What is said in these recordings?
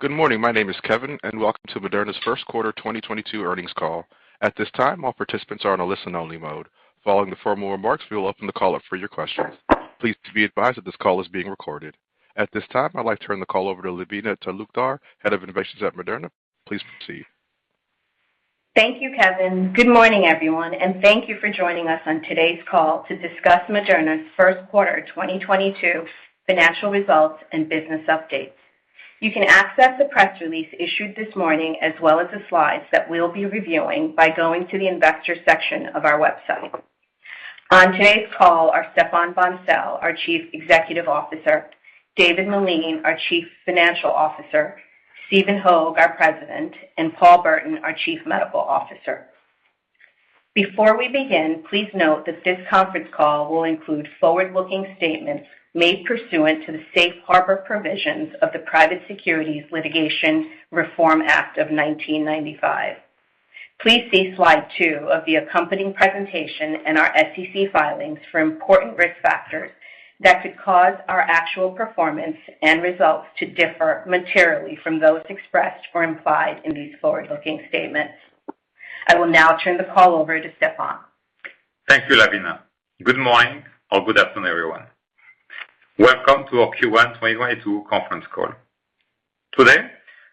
Good morning. My name is Kevin, and welcome to Moderna's first quarter 2022 earnings call. At this time, all participants are on a listen only mode. Following the formal remarks, we will open the call up for your questions. Please be advised that this call is being recorded. At this time, I'd like to turn the call over to Lavina Talukdar, Head of Investor Relations at Moderna. Please proceed. Thank you, Kevin. Good morning, everyone, and thank you for joining us on today's call to discuss Moderna's first quarter 2022 financial results and business updates. You can access the press release issued this morning as well as the slides that we'll be reviewing by going to the investor section of our website. On today's call are Stéphane Bancel, our Chief Executive Officer, David Meline, our Chief Financial Officer, Stephen Hoge, our President, and Paul Burton, our Chief Medical Officer. Before we begin, please note that this conference call will include forward-looking statements made pursuant to the safe harbor provisions of the Private Securities Litigation Reform Act of 1995. Please see slide two of the accompanying presentation in our SEC filings for important risk factors that could cause our actual performance and results to differ materially from those expressed or implied in these forward-looking statements. I will now turn the call over to Stéphane. Thank you, Lavina. Good morning or good afternoon, everyone. Welcome to our Q1 2022 conference call. Today,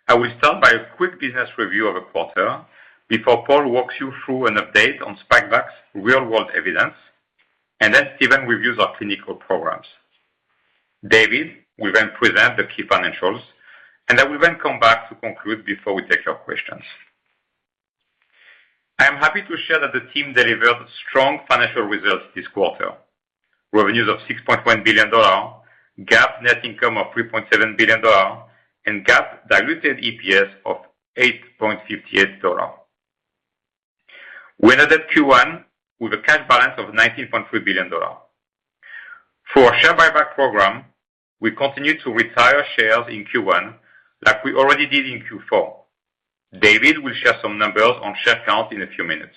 I will start by a quick business review of the quarter before Paul walks you through an update on Spikevax real-world evidence, and then Stephen reviews our clinical programs. David will then present the key financials, and I will then come back to conclude before we take your questions. I am happy to share that the team delivered strong financial results this quarter. Revenues of $6.1 billion, GAAP net income of $3.7 billion, and GAAP diluted EPS of $8.58. We ended Q1 with a cash balance of $19.3 billion. For our share buyback program, we continued to retire shares in Q1 like we already did in Q4. David will share some numbers on share count in a few minutes.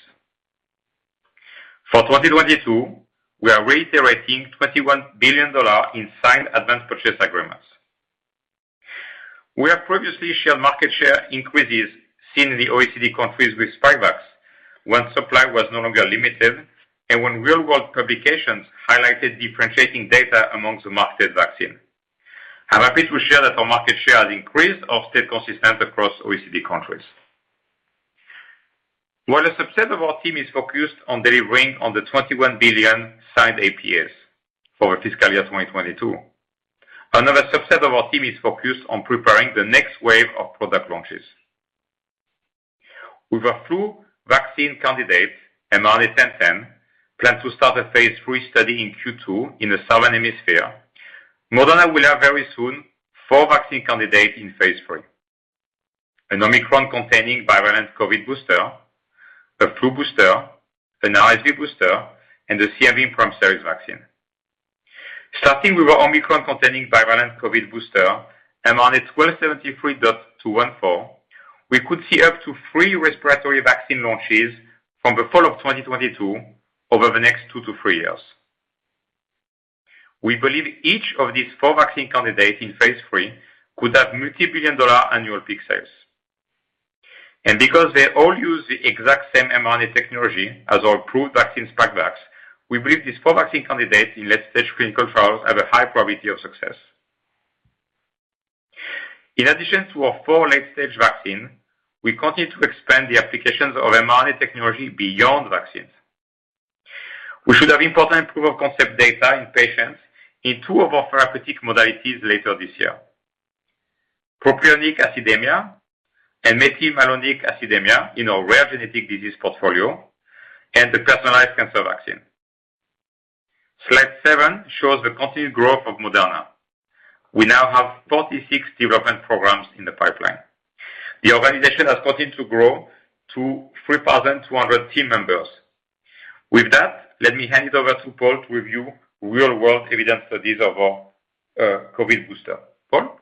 For 2022, we are reiterating $21 billion in signed advance purchase agreements. We have previously shared market share increases seen in the OECD countries with Spikevax when supply was no longer limited and when real-world publications highlighted differentiating data amongst the marketed vaccine. I'm happy to share that our market share has increased or stayed consistent across OECD countries. While a subset of our team is focused on delivering on the $21 billion signed APAs for fiscal year 2022, another subset of our team is focused on preparing the next wave of product launches. With our flu vaccine candidate, mRNA-1010, planned to start a phase III study in Q2 in the southern hemisphere, Moderna will have very soon four vaccine candidates in phase III. An Omicron-containing bivalent COVID booster, a flu booster, an RSV booster, and the two to three years. We believe each of these four vaccine candidates in phase III could have multi-billion-dollar annual peak sales. Because they all use the exact same mRNA technology as our approved vaccine Spikevax, we believe these four vaccine candidates in late-stage clinical trials have a high probability of success. In addition to our four late-stage vaccine, we continue to expand the applications of mRNA technology beyond vaccines. We should have important proof-of-concept data in patients in two of our therapeutic modalities later this year. Propionic acidemia and methylmalonic acidemia in our rare genetic disease portfolio and the personalized cancer vaccine. Slide seven shows the continued growth of Moderna. We now have 46 development programs in the pipeline. The organization has continued to grow to 3,200 team members. With that, let me hand it over to Paul to review real-world evidence studies of our COVID booster. Paul?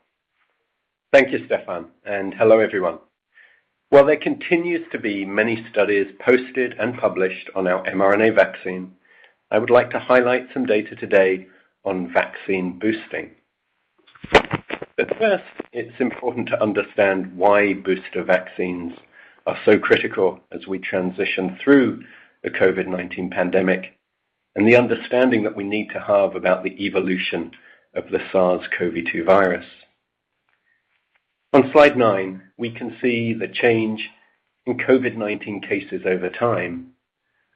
Thank you, Stéphane, and hello, everyone. While there continues to be many studies posted and published on our mRNA vaccine, I would like to highlight some data today on vaccine boosting. First, it's important to understand why booster vaccines are so critical as we transition through the COVID-19 pandemic and the understanding that we need to have about the evolution of the SARS-CoV-2 virus. On slide nine, we can see the change in COVID-19 cases over time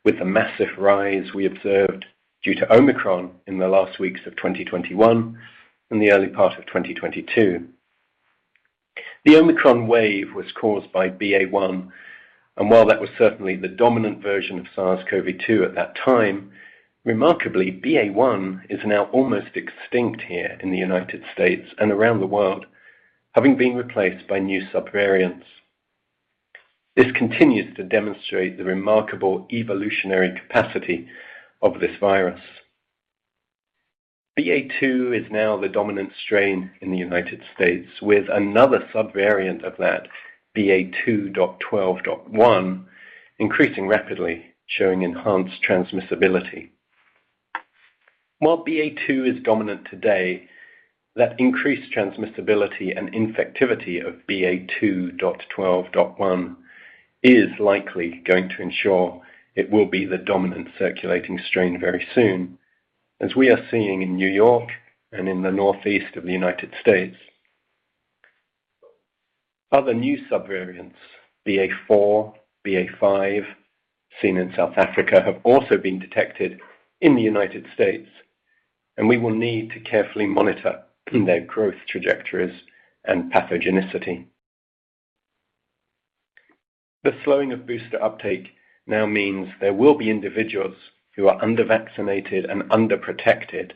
with the massive rise we observed due to Omicron in the last weeks of 2021 and the early part of 2022. The Omicron wave was caused by BA.1, and while that was certainly the dominant version of SARS-CoV-2 at that time, remarkably, BA.1 is now almost extinct here in the U.S. and around the world, having been replaced by new subvariants. This continues to demonstrate the remarkable evolutionary capacity of this virus. BA.2 is now the dominant strain in the U.S., with another subvariant of that, BA.2.12.1, increasing rapidly, showing enhanced transmissibility. While BA.2 is dominant today, that increased transmissibility and infectivity of BA.2.12.1 is likely going to ensure it will be the dominant circulating strain very soon, as we are seeing in New York and in the Northeast of the U.S. Other new subvariants, BA.4, BA.5, seen in South Africa, have also been detected in the U.S., and we will need to carefully monitor their growth trajectories and pathogenicity. The slowing of booster uptake now means there will be individuals who are under-vaccinated and under-protected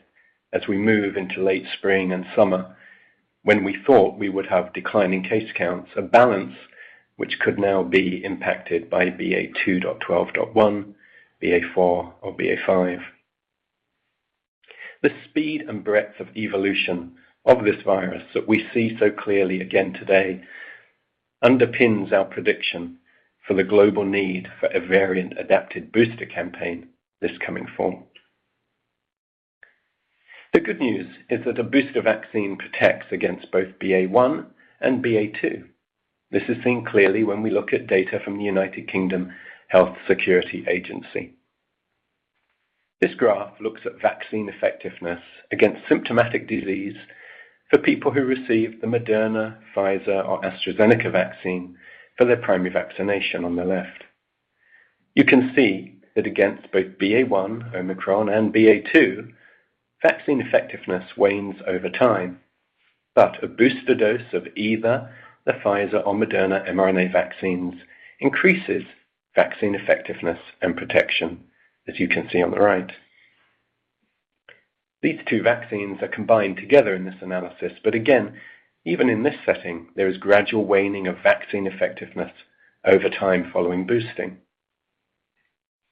as we move into late spring and summer, when we thought we would have declining case counts, a balance which could now be impacted by BA.2.12.1, BA.4, or BA.5. The speed and breadth of evolution of this virus that we see so clearly again today underpins our prediction for the global need for a variant-adapted booster campaign this coming fall. The good news is that a booster vaccine protects against both BA.1 and BA.2. This is seen clearly when we look at data from the United Kingdom Health Security Agency. This graph looks at vaccine effectiveness against symptomatic disease for people who received the Moderna, Pfizer, or AstraZeneca vaccine for their primary vaccination on the left. You can see that against both BA.1, Omicron, and BA.2, vaccine effectiveness wanes over time, but a booster dose of either the Pfizer or Moderna mRNA vaccines increases vaccine effectiveness and protection, as you can see on the right. These two vaccines are combined together in this analysis, but again, even in this setting, there is gradual waning of vaccine effectiveness over time following boosting.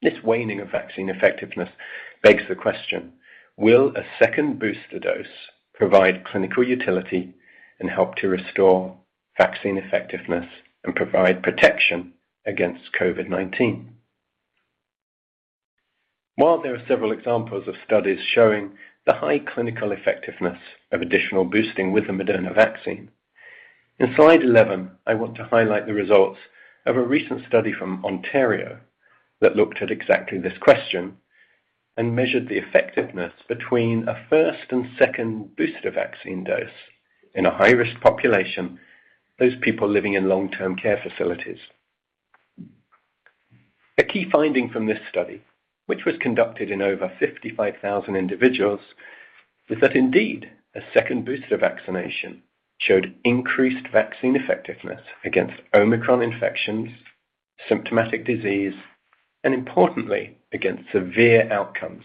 This waning of vaccine effectiveness begs the question: will a second booster dose provide clinical utility and help to restore vaccine effectiveness and provide protection against COVID-19? While there are several examples of studies showing the high clinical effectiveness of additional boosting with the Moderna vaccine, in slide 11 I want to highlight the results of a recent study from Ontario that looked at exactly this question and measured the effectiveness between a first and second booster vaccine dose in a high-risk population, those people living in long-term care facilities. A key finding from this study, which was conducted in over 55,000 individuals, is that indeed a second booster vaccination showed increased vaccine effectiveness against Omicron infections, symptomatic disease, and importantly, against severe outcomes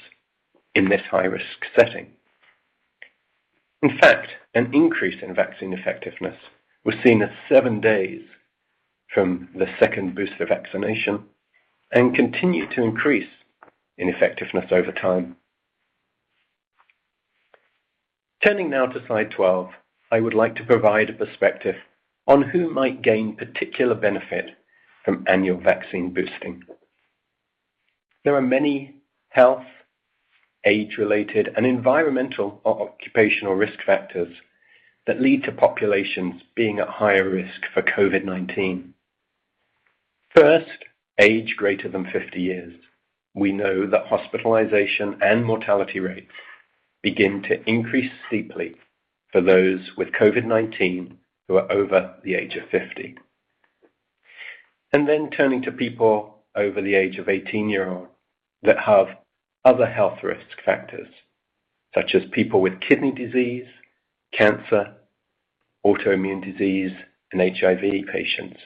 in this high-risk setting. In fact, an increase in vaccine effectiveness was seen at seven days from the second booster vaccination and continued to increase in effectiveness over time. Turning now to slide 12, I would like to provide a perspective on who might gain particular benefit from annual vaccine boosting. There are many health, age-related, and environmental or occupational risk factors that lead to populations being at higher risk for COVID-19. First, age greater than 50 years. We know that hospitalization and mortality rates begin to increase steeply for those with COVID-19 who are over the age of 50. Turning to people over the age of 18 years that have other health risk factors, such as people with kidney disease, cancer, autoimmune disease, and HIV patients,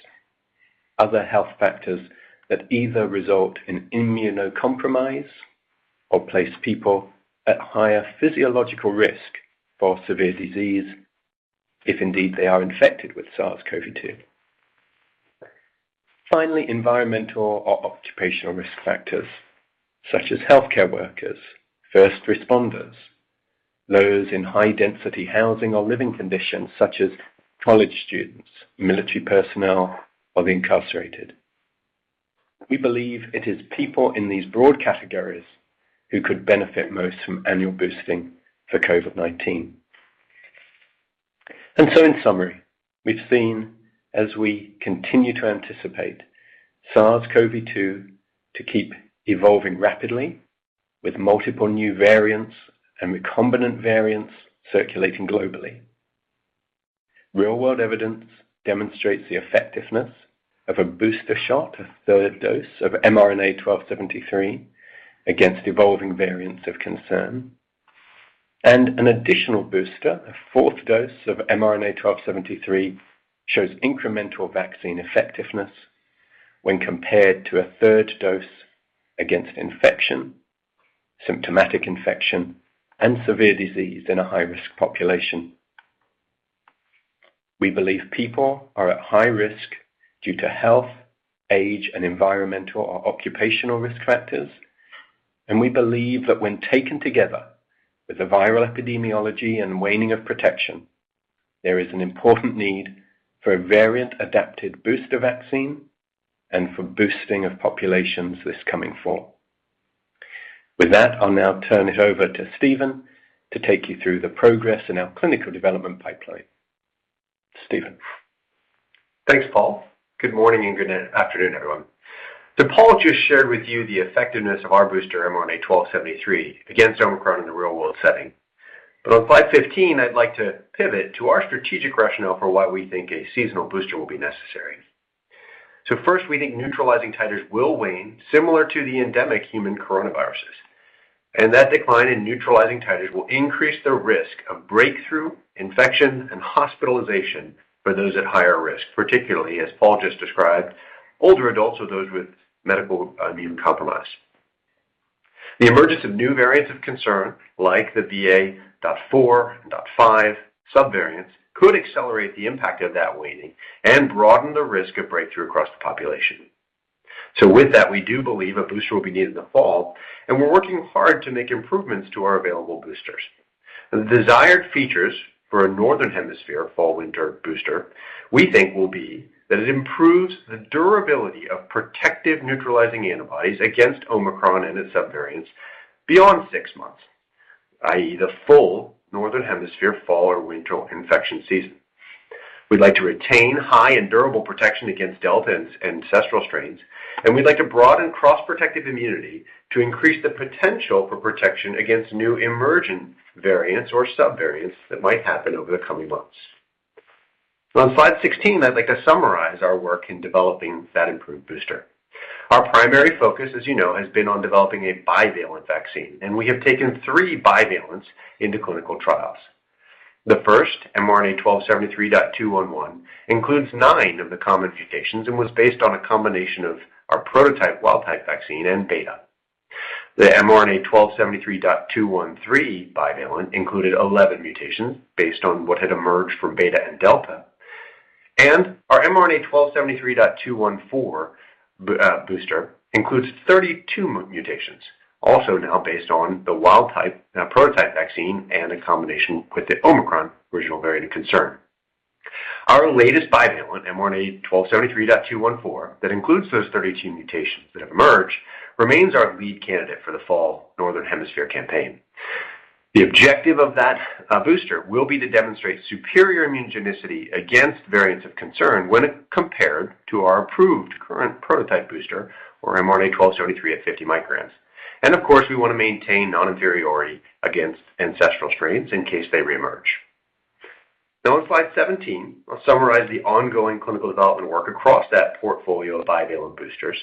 other health factors that either result in immunocompromise or place people at higher physiological risk for severe disease if indeed they are infected with SARS-CoV-2. Finally, environmental or occupational risk factors, such as healthcare workers, first responders, those in high-density housing or living conditions such as college students, military personnel, or the incarcerated. We believe it is people in these broad categories who could benefit most from annual boosting for COVID-19. In summary, we've seen as we continue to anticipate SARS-CoV-2 to keep evolving rapidly with multiple new variants and recombinant variants circulating globally. Real-world evidence demonstrates the effectiveness of a booster shot, a third dose of mRNA-1273 against evolving variants of concern, and an additional booster, a fourth dose of mRNA-1273, shows incremental vaccine effectiveness when compared to a third dose against infection, symptomatic infection, and severe disease in a high-risk population. We believe people are at high risk due to health, age, and environmental or occupational risk factors, and we believe that when taken together with the viral epidemiology and waning of protection. There is an important need for a variant-adapted booster vaccine and for boosting of populations this coming fall. With that, I'll now turn it over to Stephen to take you through the progress in our clinical development pipeline. Stephen. Thanks, Paul. Good morning and good afternoon, everyone. Paul just shared with you the effectiveness of our booster mRNA-1273 against Omicron in the real-world setting. On slide 15, I'd like to pivot to our strategic rationale for why we think a seasonal booster will be necessary. First, we think neutralizing titers will wane, similar to the endemic human coronaviruses, and that decline in neutralizing titers will increase the risk of breakthrough, infection, and hospitalization for those at higher risk, particularly, as Paul just described, older adults or those with medically immunocompromised. The emergence of new variants of concern, like the BA.4, BA.5 subvariants, could accelerate the impact of that waning and broaden the risk of breakthrough across the population. With that, we do believe a booster will be needed in the fall, and we're working hard to make improvements to our available boosters. The desired features for a Northern Hemisphere fall/winter booster, we think will be that it improves the durability of protective neutralizing antibodies against Omicron and its subvariants beyond six months, i.e., the full Northern Hemisphere fall or winter infection season. We'd like to retain high and durable protection against Delta and ancestral strains, and we'd like to broaden cross-protective immunity to increase the potential for protection against new emergent variants or subvariants that might happen over the coming months. On slide 16, I'd like to summarize our work in developing that improved booster. Our primary focus, as you know, has been on developing a bivalent vaccine, and we have taken three bivalents into clinical trials. The first, mRNA-1273.211, includes nine of the common mutations and was based on a combination of our prototype wild type vaccine and Beta. The mRNA-1273.213 bivalent included 11 mutations based on what had emerged from Beta and Delta. Our mRNA-1273.214 booster includes 32 mutations, also now based on the wild type, now prototype vaccine and a combination with the Omicron original variant of concern. Our latest bivalent, mRNA-1273.214, that includes those 32 mutations that have emerged, remains our lead candidate for the fall Northern Hemisphere campaign. The objective of that booster will be to demonstrate superior immunogenicity against variants of concern when compared to our approved current prototype booster or mRNA-1273 at 50 micrograms. Of course, we wanna maintain non-inferiority against ancestral strains in case they re-emerge. On slide 17, I'll summarize the ongoing clinical development work across that portfolio of bivalent boosters.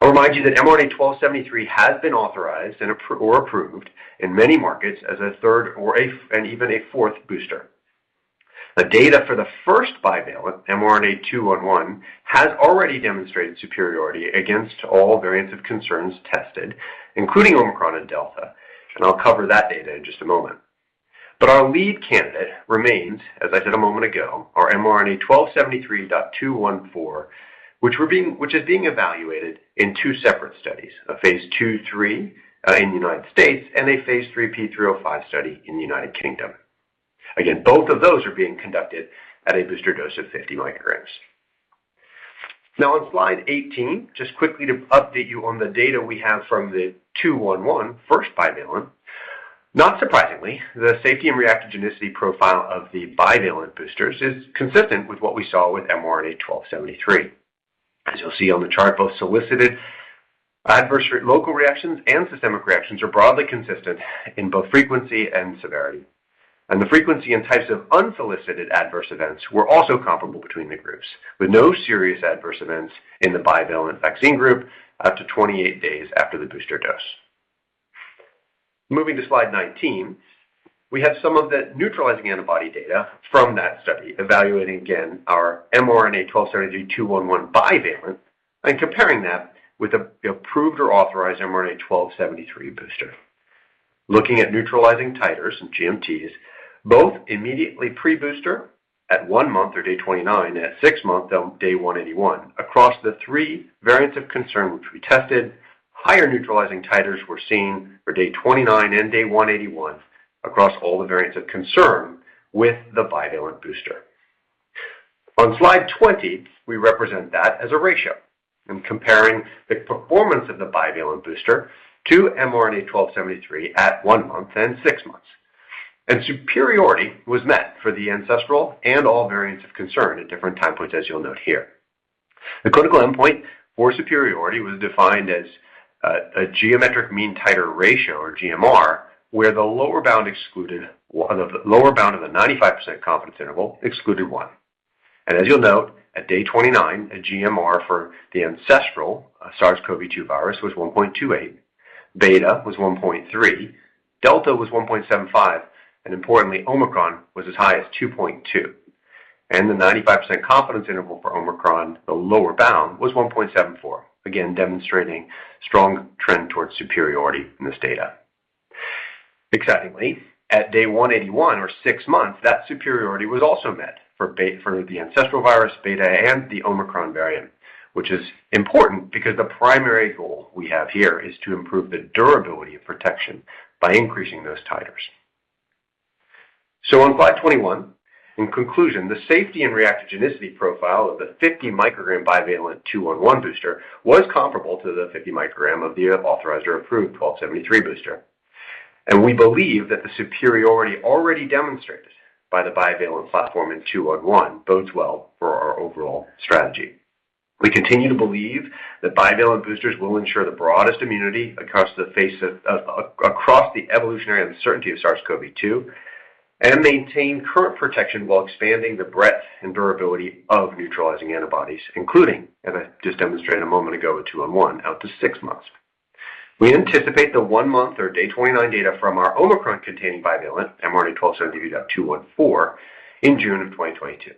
I'll remind you that mRNA-1273 has been authorized and approved in many markets as a third or and even a fourth booster. The data for the first bivalent, mRNA-1273.211, has already demonstrated superiority against all variants of concern tested, including Omicron and Delta, and I'll cover that data in just a moment. Our lead candidate remains, as I said a moment ago, our mRNA-1273.214, which is being evaluated in two separate studies, a phase II/III in the U.S. and a phase III P305 study in the U.K. Again, both of those are being conducted at a booster dose of 50 micrograms. Now on slide 18, just quickly to update you on the data we have from the mRNA-1273.211 first bivalent. Not surprisingly, the safety and reactogenicity profile of the bivalent boosters is consistent with what we saw with mRNA-1273. As you'll see on the chart, both solicited adverse local reactions and systemic reactions are broadly consistent in both frequency and severity. The frequency and types of unsolicited adverse events were also comparable between the groups, with no serious adverse events in the bivalent vaccine group up to 28 days after the booster dose. Moving to slide 19, we have some of the neutralizing antibody data from that study, evaluating again our mRNA-1273.211 bivalent and comparing that with the approved or authorized mRNA-1273 booster. Looking at neutralizing titers and GMTs, both immediately pre-booster at one month or day 29, at six months on day 181. Across the three variants of concern which we tested, higher neutralizing titers were seen for day 29 and day 181 across all the variants of concern with the bivalent booster. On slide 20, we represent that as a ratio and comparing the performance of the bivalent booster to mRNA-1273 at one month and six months. Superiority was met for the ancestral and all variants of concern at different time points, as you'll note here. The clinical endpoint for superiority was defined as a geometric mean titer ratio or GMR, where the lower bound excluded one. The lower bound of the 95% confidence interval excluded one. As you'll note, at day 29, a GMR for the ancestral SARS-CoV-2 virus was 1.28, Beta was 1.3, Delta was 1.75, and importantly, Omicron was as high as 2.2. The 95% confidence interval for Omicron, the lower bound, was 1.74, again demonstrating strong trend towards superiority in this data. Excitingly, at day 181 or six months, that superiority was also met for the ancestral virus Beta and the Omicron variant, which is important because the primary goal we have here is to improve the durability of protection by increasing those titers. On slide 21, in conclusion, the safety and reactogenicity profile of the 50 microgram bivalent 211 booster was comparable to the 50 microgram of the authorized or approved 1273 booster. We believe that the superiority already demonstrated by the bivalent platform in 211 bodes well for our overall strategy. We continue to believe that bivalent boosters will ensure the broadest immunity across the evolutionary uncertainty of SARS-CoV-2, and maintain current protection while expanding the breadth and durability of neutralizing antibodies, including, as I just demonstrated a moment ago with 211, out to six months. We anticipate the one-month or day 29 data from our Omicron-containing bivalent mRNA-1273.214 in June 2022.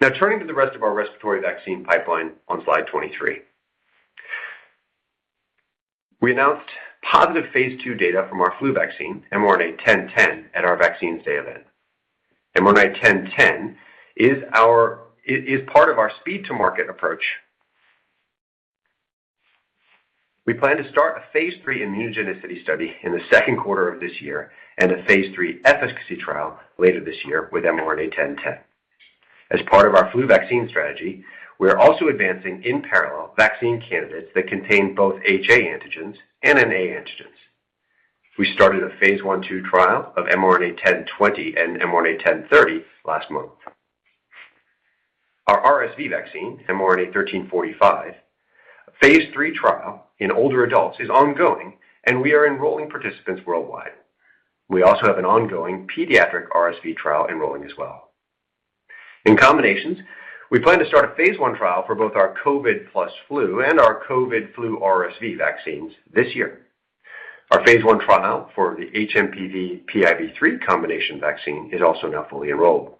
Now turning to the rest of our respiratory vaccine pipeline on slide 23. We announced positive phase II data from our flu vaccine mRNA-1010 at our Vaccines Day event. mRNA-1010 is our part of our speed to market approach. We plan to start a phase III immunogenicity study in the second quarter of this year and a phase III efficacy trial later this year with mRNA-1010. As part of our flu vaccine strategy, we are also advancing in parallel vaccine candidates that contain both HA antigens and NA antigens. We started a phase I/II trial of mRNA-1020 and mRNA-1030 last month. Our RSV vaccine, mRNA-1345, phase III trial in older adults is ongoing, and we are enrolling participants worldwide. We also have an ongoing pediatric RSV trial enrolling as well. In combinations, we plan to start a phase one trial for both our COVID plus flu and our COVID flu RSV vaccines this year. Our phase Itrial for the HMPV-PIV3 combination vaccine is also now fully enrolled,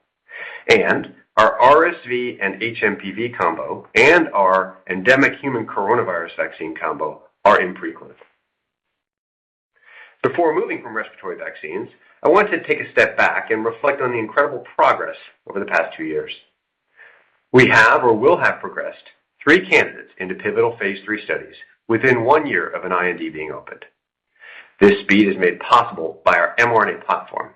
and our RSV and HMPV combo and our endemic human coronavirus vaccine combo are in pre-clinical. Before moving from respiratory vaccines, I want to take a step back and reflect on the incredible progress over the past two years. We have or will have progressed three candidates into pivotal phase III studies within one year of an IND being opened. This speed is made possible by our mRNA platform,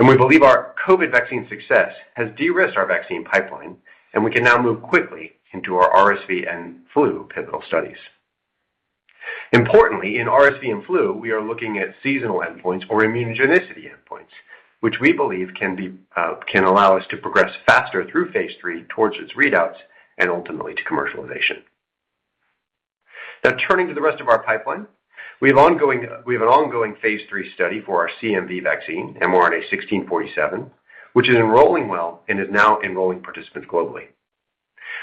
and we believe our COVID vaccine success has de-risked our vaccine pipeline, and we can now move quickly into our RSV and flu pivotal studies. Importantly, in RSV and flu, we are looking at seasonal endpoints or immunogenicity endpoints, which we believe can allow us to progress faster through phase III towards its readouts and ultimately to commercialization. Now turning to the rest of our pipeline, we have an ongoing phase III study for our CMV vaccine, mRNA-1647, which is enrolling well and is now enrolling participants globally.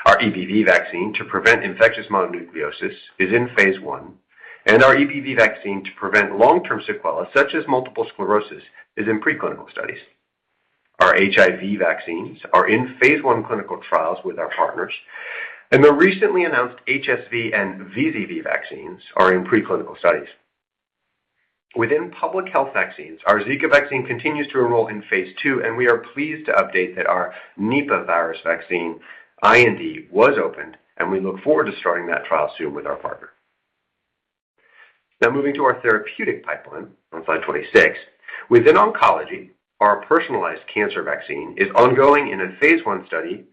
Our EBV vaccine to prevent infectious mononucleosis is in phase I, and our EBV vaccine to prevent long-term sequelae, such as multiple sclerosis, is in preclinical studies. Our HIV vaccines are in phase I clinical trials with our partners, and the recently announced HSV and VZV vaccines are in preclinical studies. Within public health vaccines, our mRNA-1893 vaccine continues to enroll in phase II, and we are pleased to update that our Nipah virus vaccine IND was opened, and we look forward to starting that trial soon with our partner. Now moving to our therapeutic pipeline on slide 26. Within oncology, our personalized cancer vaccine is ongoing in a phase I study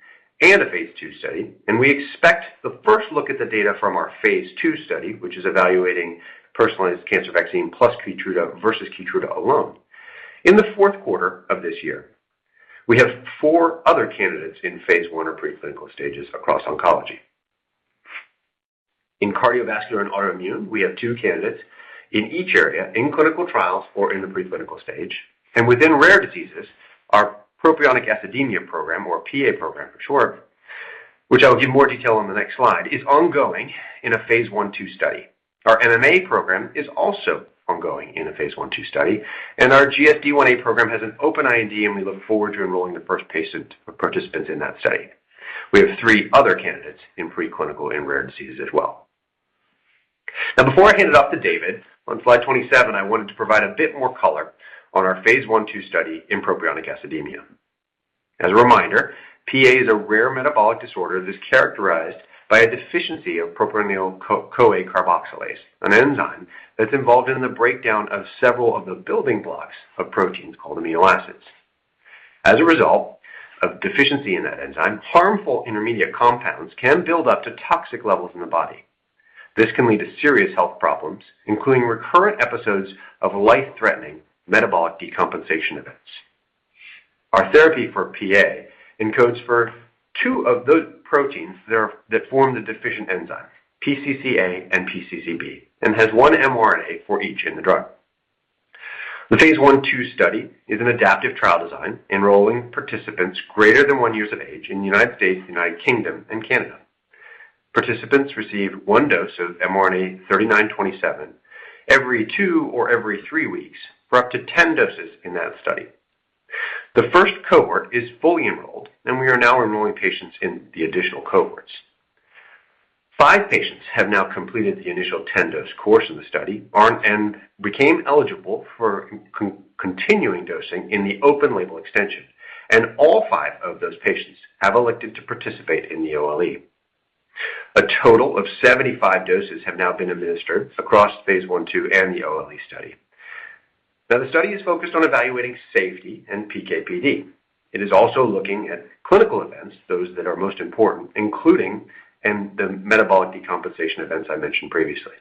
and a phase II study, and we expect the first look at the data from our phase II study, which is evaluating personalized cancer vaccine plus Keytruda versus Keytruda alone. In the fourth quarter of this year, we have four other candidates in phase I or preclinical stages across oncology. In cardiovascular and autoimmune, we have two candidates in each area in clinical trials or in the preclinical stage. Within rare diseases, our propionic acidemia program, or PA program for short, which I will give more detail on the next slide, is ongoing in a phase 1/2 study. Our MMA program is also ongoing in a phase I/II study, and our GSD 1A program has an open IND, and we look forward to enrolling the first patient or participant in that study. We have three other candidates in preclinical in rare diseases as well. Now before I hand it off to David, on slide 27 I wanted to provide a bit more color on our phase I/II study in propionic acidemia. As a reminder, PA is a rare metabolic disorder that's characterized by a deficiency of propionyl-CoA carboxylase, an enzyme that's involved in the breakdown of several of the building blocks of proteins called amino acids. As a result of deficiency in that enzyme, harmful intermediate compounds can build up to toxic levels in the body. This can lead to serious health problems, including recurrent episodes of life-threatening metabolic decompensation events. Our therapy for PA encodes for two of those proteins that form the deficient enzyme, PCCA and PCCB, and has one mRNA for each in the drug. The phase I/II study is an adaptive trial design enrolling participants greater than one year of age in the U.S., U.K., and Canada. Participants receive one dose of mRNA-3927 every two or every three weeks for up to 10 doses in that study. The first cohort is fully enrolled, and we are now enrolling patients in the additional cohorts. Five patients have now completed the initial 10-dose course in the study and became eligible for continuing dosing in the open label extension, and all five of those patients have elected to participate in the OLE. A total of 75 doses have now been administered across phase I, II and the OLE study. Now, the study is focused on evaluating safety and PK/PD. It is also looking at clinical events, those that are most important, including the metabolic decompensation events I mentioned previously.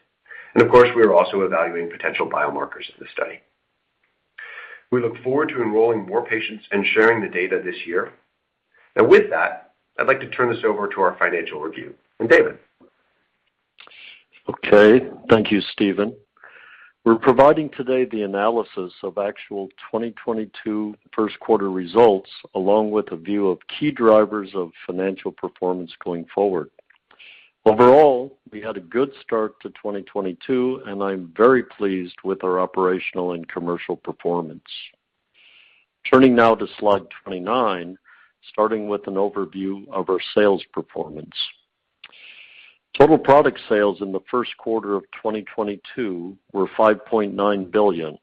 Of course, we are also evaluating potential biomarkers in the study. We look forward to enrolling more patients and sharing the data this year. With that, I'd like to turn this over to our financial review. David. Okay. Thank you, Stephen. We're providing today the analysis of actual 2022 first quarter results, along with a view of key drivers of financial performance going forward. Overall, we had a good start to 2022, and I'm very pleased with our operational and commercial performance. Turning now to slide 29, starting with an overview of our sales performance. Total product sales in the first quarter of 2022 were $5.9 billion.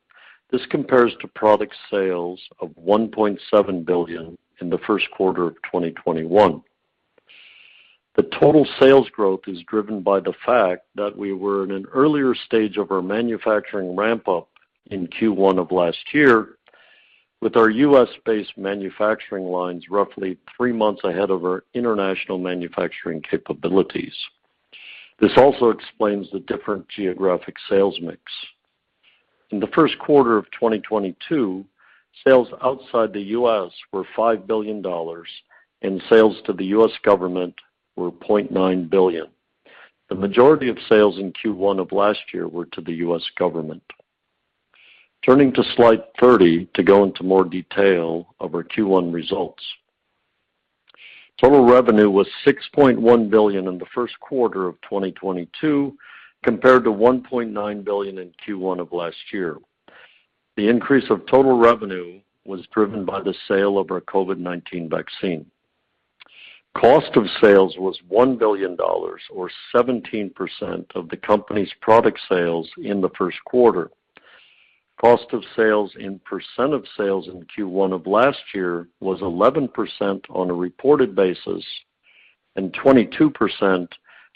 This compares to product sales of $1.7 billion in the first quarter of 2021. The total sales growth is driven by the fact that we were in an earlier stage of our manufacturing ramp-up in Q1 of last year, with our U.S.-based manufacturing lines roughly three months ahead of our international manufacturing capabilities. This also explains the different geographic sales mix. In the first quarter of 2022, sales outside the U.S. were $5 billion, and sales to the U.S. government were $0.9 billion. The majority of sales in Q1 of last year were to the U.S. government. Turning to slide 30 to go into more detail of our Q1 results. Total revenue was $6.1 billion in the first quarter of 2022, compared to $1.9 billion in Q1 of last year. The increase of total revenue was driven by the sale of our COVID-19 vaccine. Cost of sales was $1 billion or 17% of the company's product sales in the first quarter. Cost of sales in percent of sales in Q1 of last year was 11% on a reported basis, and 22%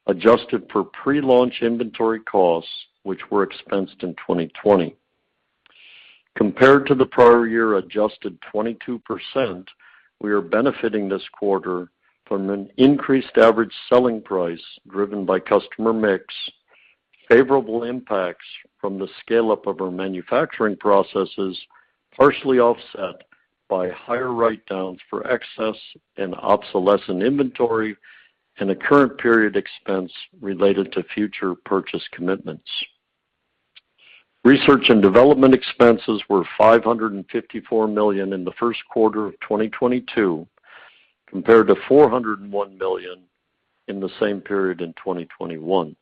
adjusted for pre-launch inventory costs, which were expensed in 2020. Compared to the prior year adjusted 22%, we are benefiting this quarter from an increased average selling price driven by customer mix, favorable impacts from the scale-up of our manufacturing processes, partially offset by higher write-downs for excess and obsolescent inventory, and a current period expense related to future purchase commitments. Research and development expenses were $554 million in the first quarter of 2022, compared to $401 million in the same period in 2021.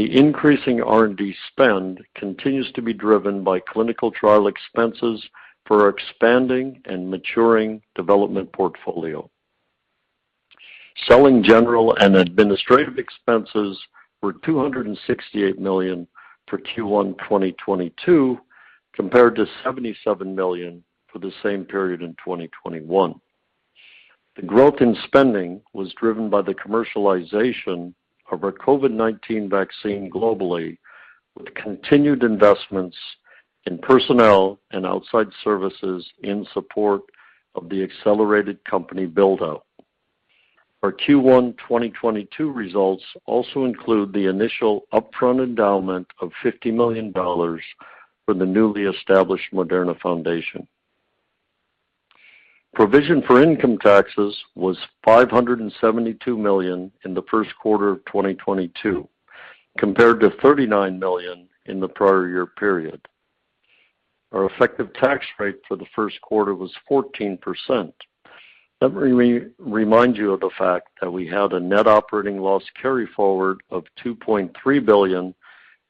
The increasing R&D spend continues to be driven by clinical trial expenses for our expanding and maturing development portfolio. Selling general and administrative expenses were $268 million for Q1 2022, compared to $77 million for the same period in 2021. The growth in spending was driven by the commercialization of our COVID-19 vaccine globally, with continued investments in personnel and outside services in support of the accelerated company build-out. Our Q1 2022 results also include the initial upfront endowment of $50 million for the newly established Moderna Foundation. Provision for income taxes was $572 million in the first quarter of 2022, compared to $39 million in the prior year period. Our effective tax rate for the first quarter was 14%. Let me remind you of the fact that we had a net operating loss carryforward of $2.3 billion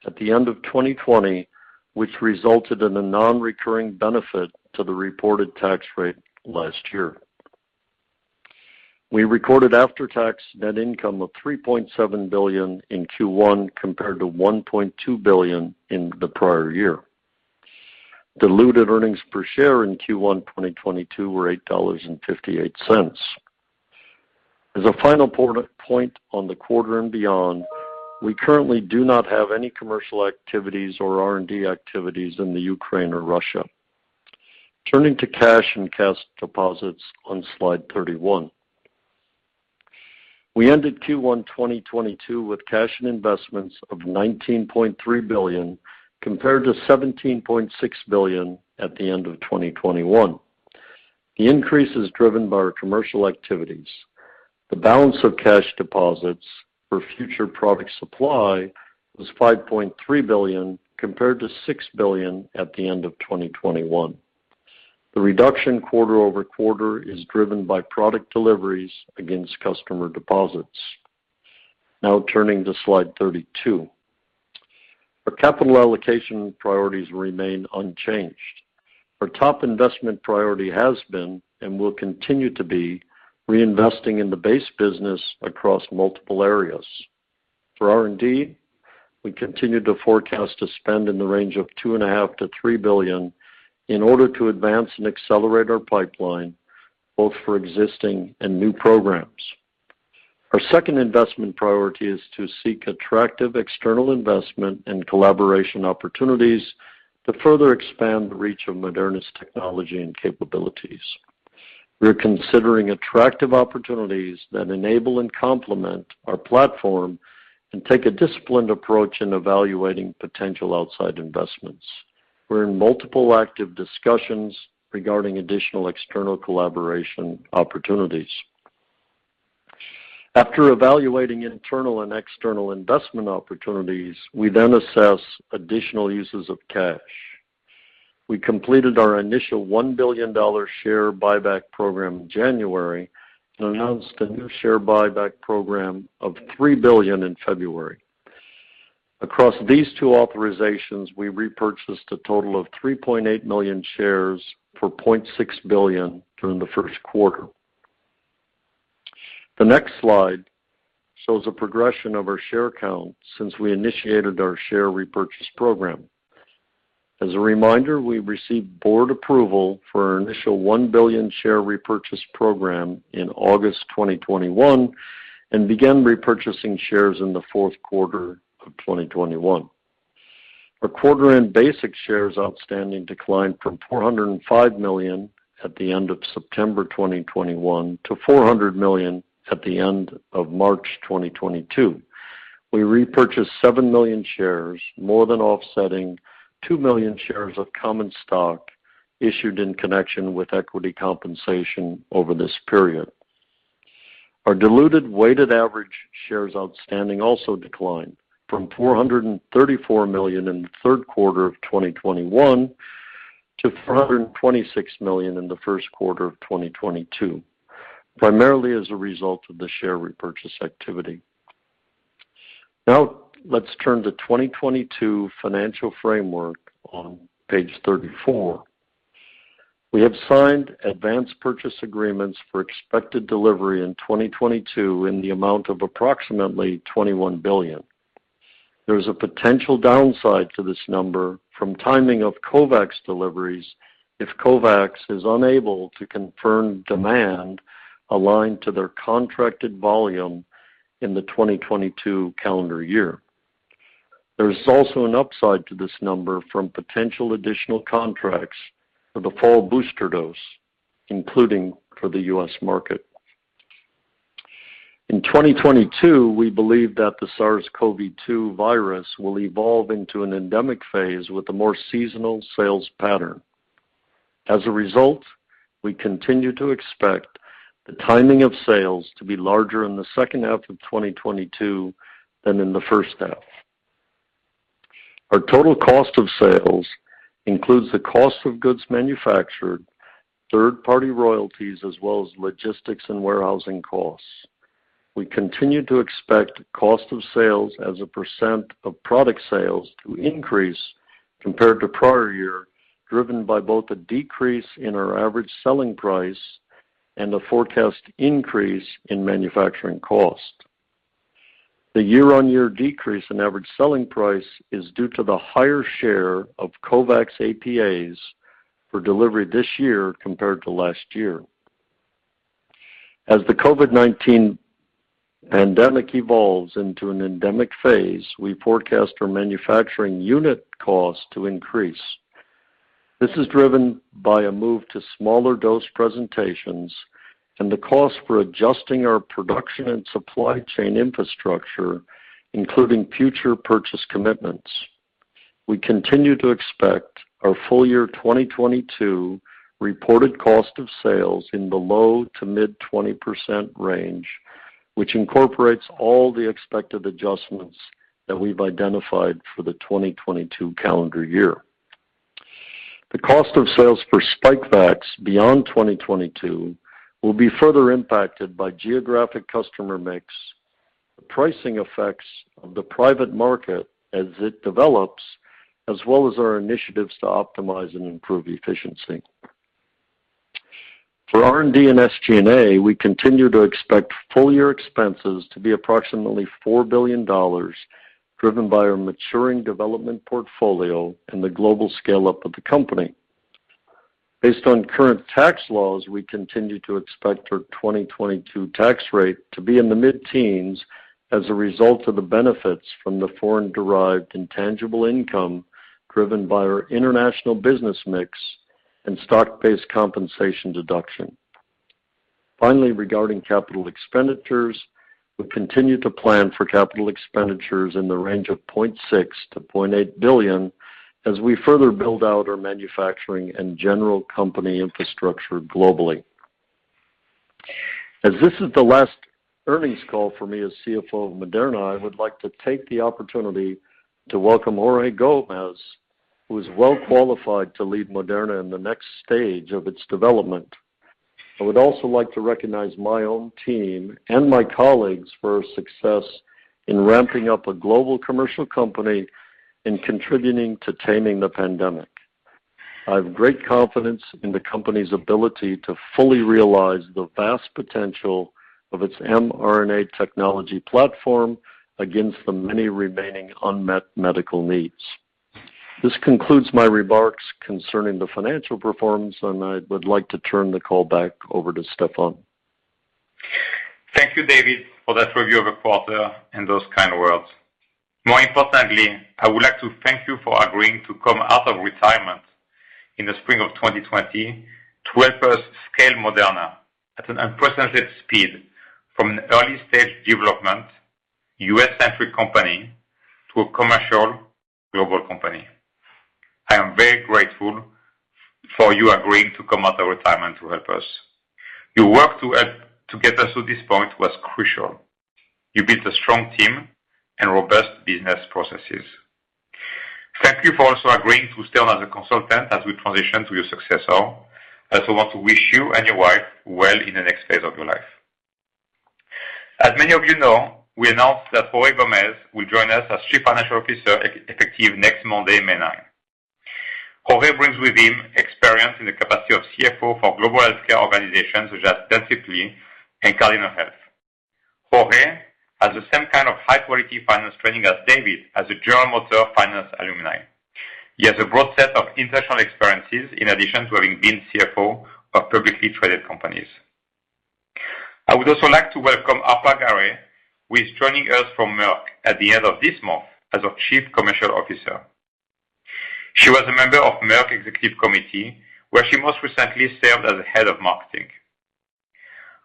at the end of 2020, which resulted in a non-recurring benefit to the reported tax rate last year. We recorded after-tax net income of $3.7 billion in Q1, compared to $1.2 billion in the prior year. Diluted earnings per share in Q1 2022 were $8.58. As a final point on the quarter and beyond, we currently do not have any commercial activities or R&D activities in the Ukraine or Russia. Turning to cash and cash deposits on slide 31. We ended Q1 2022 with cash and investments of $19.3 billion, compared to $17.6 billion at the end of 2021. The increase is driven by our commercial activities. The balance of cash deposits for future product supply was $5.3 billion, compared to $6 billion at the end of 2021. The reduction quarter-over-quarter is driven by product deliveries against customer deposits. Now turning to slide 32. Our capital allocation priorities remain unchanged. Our top investment priority has been, and will continue to be, reinvesting in the base business across multiple areas. For R&D, we continue to forecast to spend in the range of $2.5 billion-$3 billion in order to advance and accelerate our pipeline, both for existing and new programs. Our second investment priority is to seek attractive external investment and collaboration opportunities to further expand the reach of Moderna's technology and capabilities. We're considering attractive opportunities that enable and complement our platform and take a disciplined approach in evaluating potential outside investments. We're in multiple active discussions regarding additional external collaboration opportunities. After evaluating internal and external investment opportunities, we then assess additional uses of cash. We completed our initial $1 billion share buyback program in January and announced a new share buyback program of $3 billion in February. Across these two authorizations, we repurchased a total of 3.8 million shares for $0.6 billion during the first quarter. The next slide shows a progression of our share count since we initiated our share repurchase program. As a reminder, we received board approval for our initial 1 billion share repurchase program in August 2021 and began repurchasing shares in the fourth quarter of 2021. Our quarter-end basic shares outstanding declined from 405 million at the end of September 2021 to 400 million at the end of March 2022. We repurchased 7 million shares, more than offsetting 2 million shares of common stock issued in connection with equity compensation over this period. Our diluted weighted average shares outstanding also declined from 434 million in the third quarter of 2021 to 426 million in the first quarter of 2022, primarily as a result of the share repurchase activity. Now let's turn to 2022 financial framework on page 34. We have signed advance purchase agreements for expected delivery in 2022 in the amount of approximately $21 billion. There is a potential downside to this number from timing of COVAX deliveries if COVAX is unable to confirm demand aligned to their contracted volume in the 2022 calendar year. There's also an upside to this number from potential additional contracts for the fall booster dose, including for the U.S. market. In 2022, we believe that the SARS-CoV-2 virus will evolve into an endemic phase with a more seasonal sales pattern. As a result, we continue to expect the timing of sales to be larger in the second half of 2022 than in the first half. Our total cost of sales includes the cost of goods manufactured, third-party royalties, as well as logistics and warehousing costs. We continue to expect cost of sales as a percent of product sales to increase compared to prior year, driven by both a decrease in our average selling price and a forecast increase in manufacturing cost. The year-on-year decrease in average selling price is due to the higher share of COVAX APAs for delivery this year compared to last year. As the COVID-19 pandemic evolves into an endemic phase, we forecast our manufacturing unit cost to increase. This is driven by a move to smaller dose presentations and the cost for adjusting our production and supply chain infrastructure, including future purchase commitments. We continue to expect our full year 2022 reported cost of sales in the low-to-mid 20% range, which incorporates all the expected adjustments that we've identified for the 2022 calendar year. The cost of sales for Spikevax beyond 2022 will be further impacted by geographic customer mix, the pricing effects of the private market as it develops, as well as our initiatives to optimize and improve efficiency. For R&D and SG&A, we continue to expect full year expenses to be approximately $4 billion, driven by our maturing development portfolio and the global scale-up of the company. Based on current tax laws, we continue to expect our 2022 tax rate to be in the mid-teens as a result of the benefits from the foreign-derived intangible income driven by our international business mix and stock-based compensation deduction. Finally, regarding capital expenditures, we continue to plan for capital expenditures in the range of $0.6 billion-$0.8 billion as we further build out our manufacturing and general company infrastructure globally. As this is the last earnings call for me as CFO of Moderna, I would like to take the opportunity to welcome Jorge Gomez, who is well qualified to lead Moderna in the next stage of its development. I would also like to recognize my own team and my colleagues for success in ramping up a global commercial company and contributing to taming the pandemic. I have great confidence in the company's ability to fully realize the vast potential of its mRNA technology platform against the many remaining unmet medical needs. This concludes my remarks concerning the financial performance, and I would like to turn the call back over to Stéphane. Thank you, David, for that review of the quarter and those kind words. More importantly, I would like to thank you for agreeing to come out of retirement in the spring of 2020 to help us scale Moderna at an unprecedented speed from an early-stage development U.S.-centric company to a commercial global company. I am very grateful for you agreeing to come out of retirement to help us. Your work to help to get us to this point was crucial. You built a strong team and robust business processes. Thank you for also agreeing to stay on as a consultant as we transition to your successor. I also want to wish you and your wife well in the next phase of your life. As many of you know, we announced that Jorge Gomez will join us as Chief Financial Officer effective next Monday, May 9. Jorge Gomez brings with him experience in the capacity of CFO for global healthcare organizations such as Dentsply Sirona and Cardinal Health. Jorge Gomez has the same kind of high-quality finance training as David Meline as a General Motors Finance alumni. He has a broad set of international experiences in addition to having been CFO of publicly traded companies. I would also like to welcome Arpa Garay, who is joining us from Merck at the end of this month as our Chief Commercial Officer. She was a member of Merck Executive Committee, where she most recently served as the head of marketing.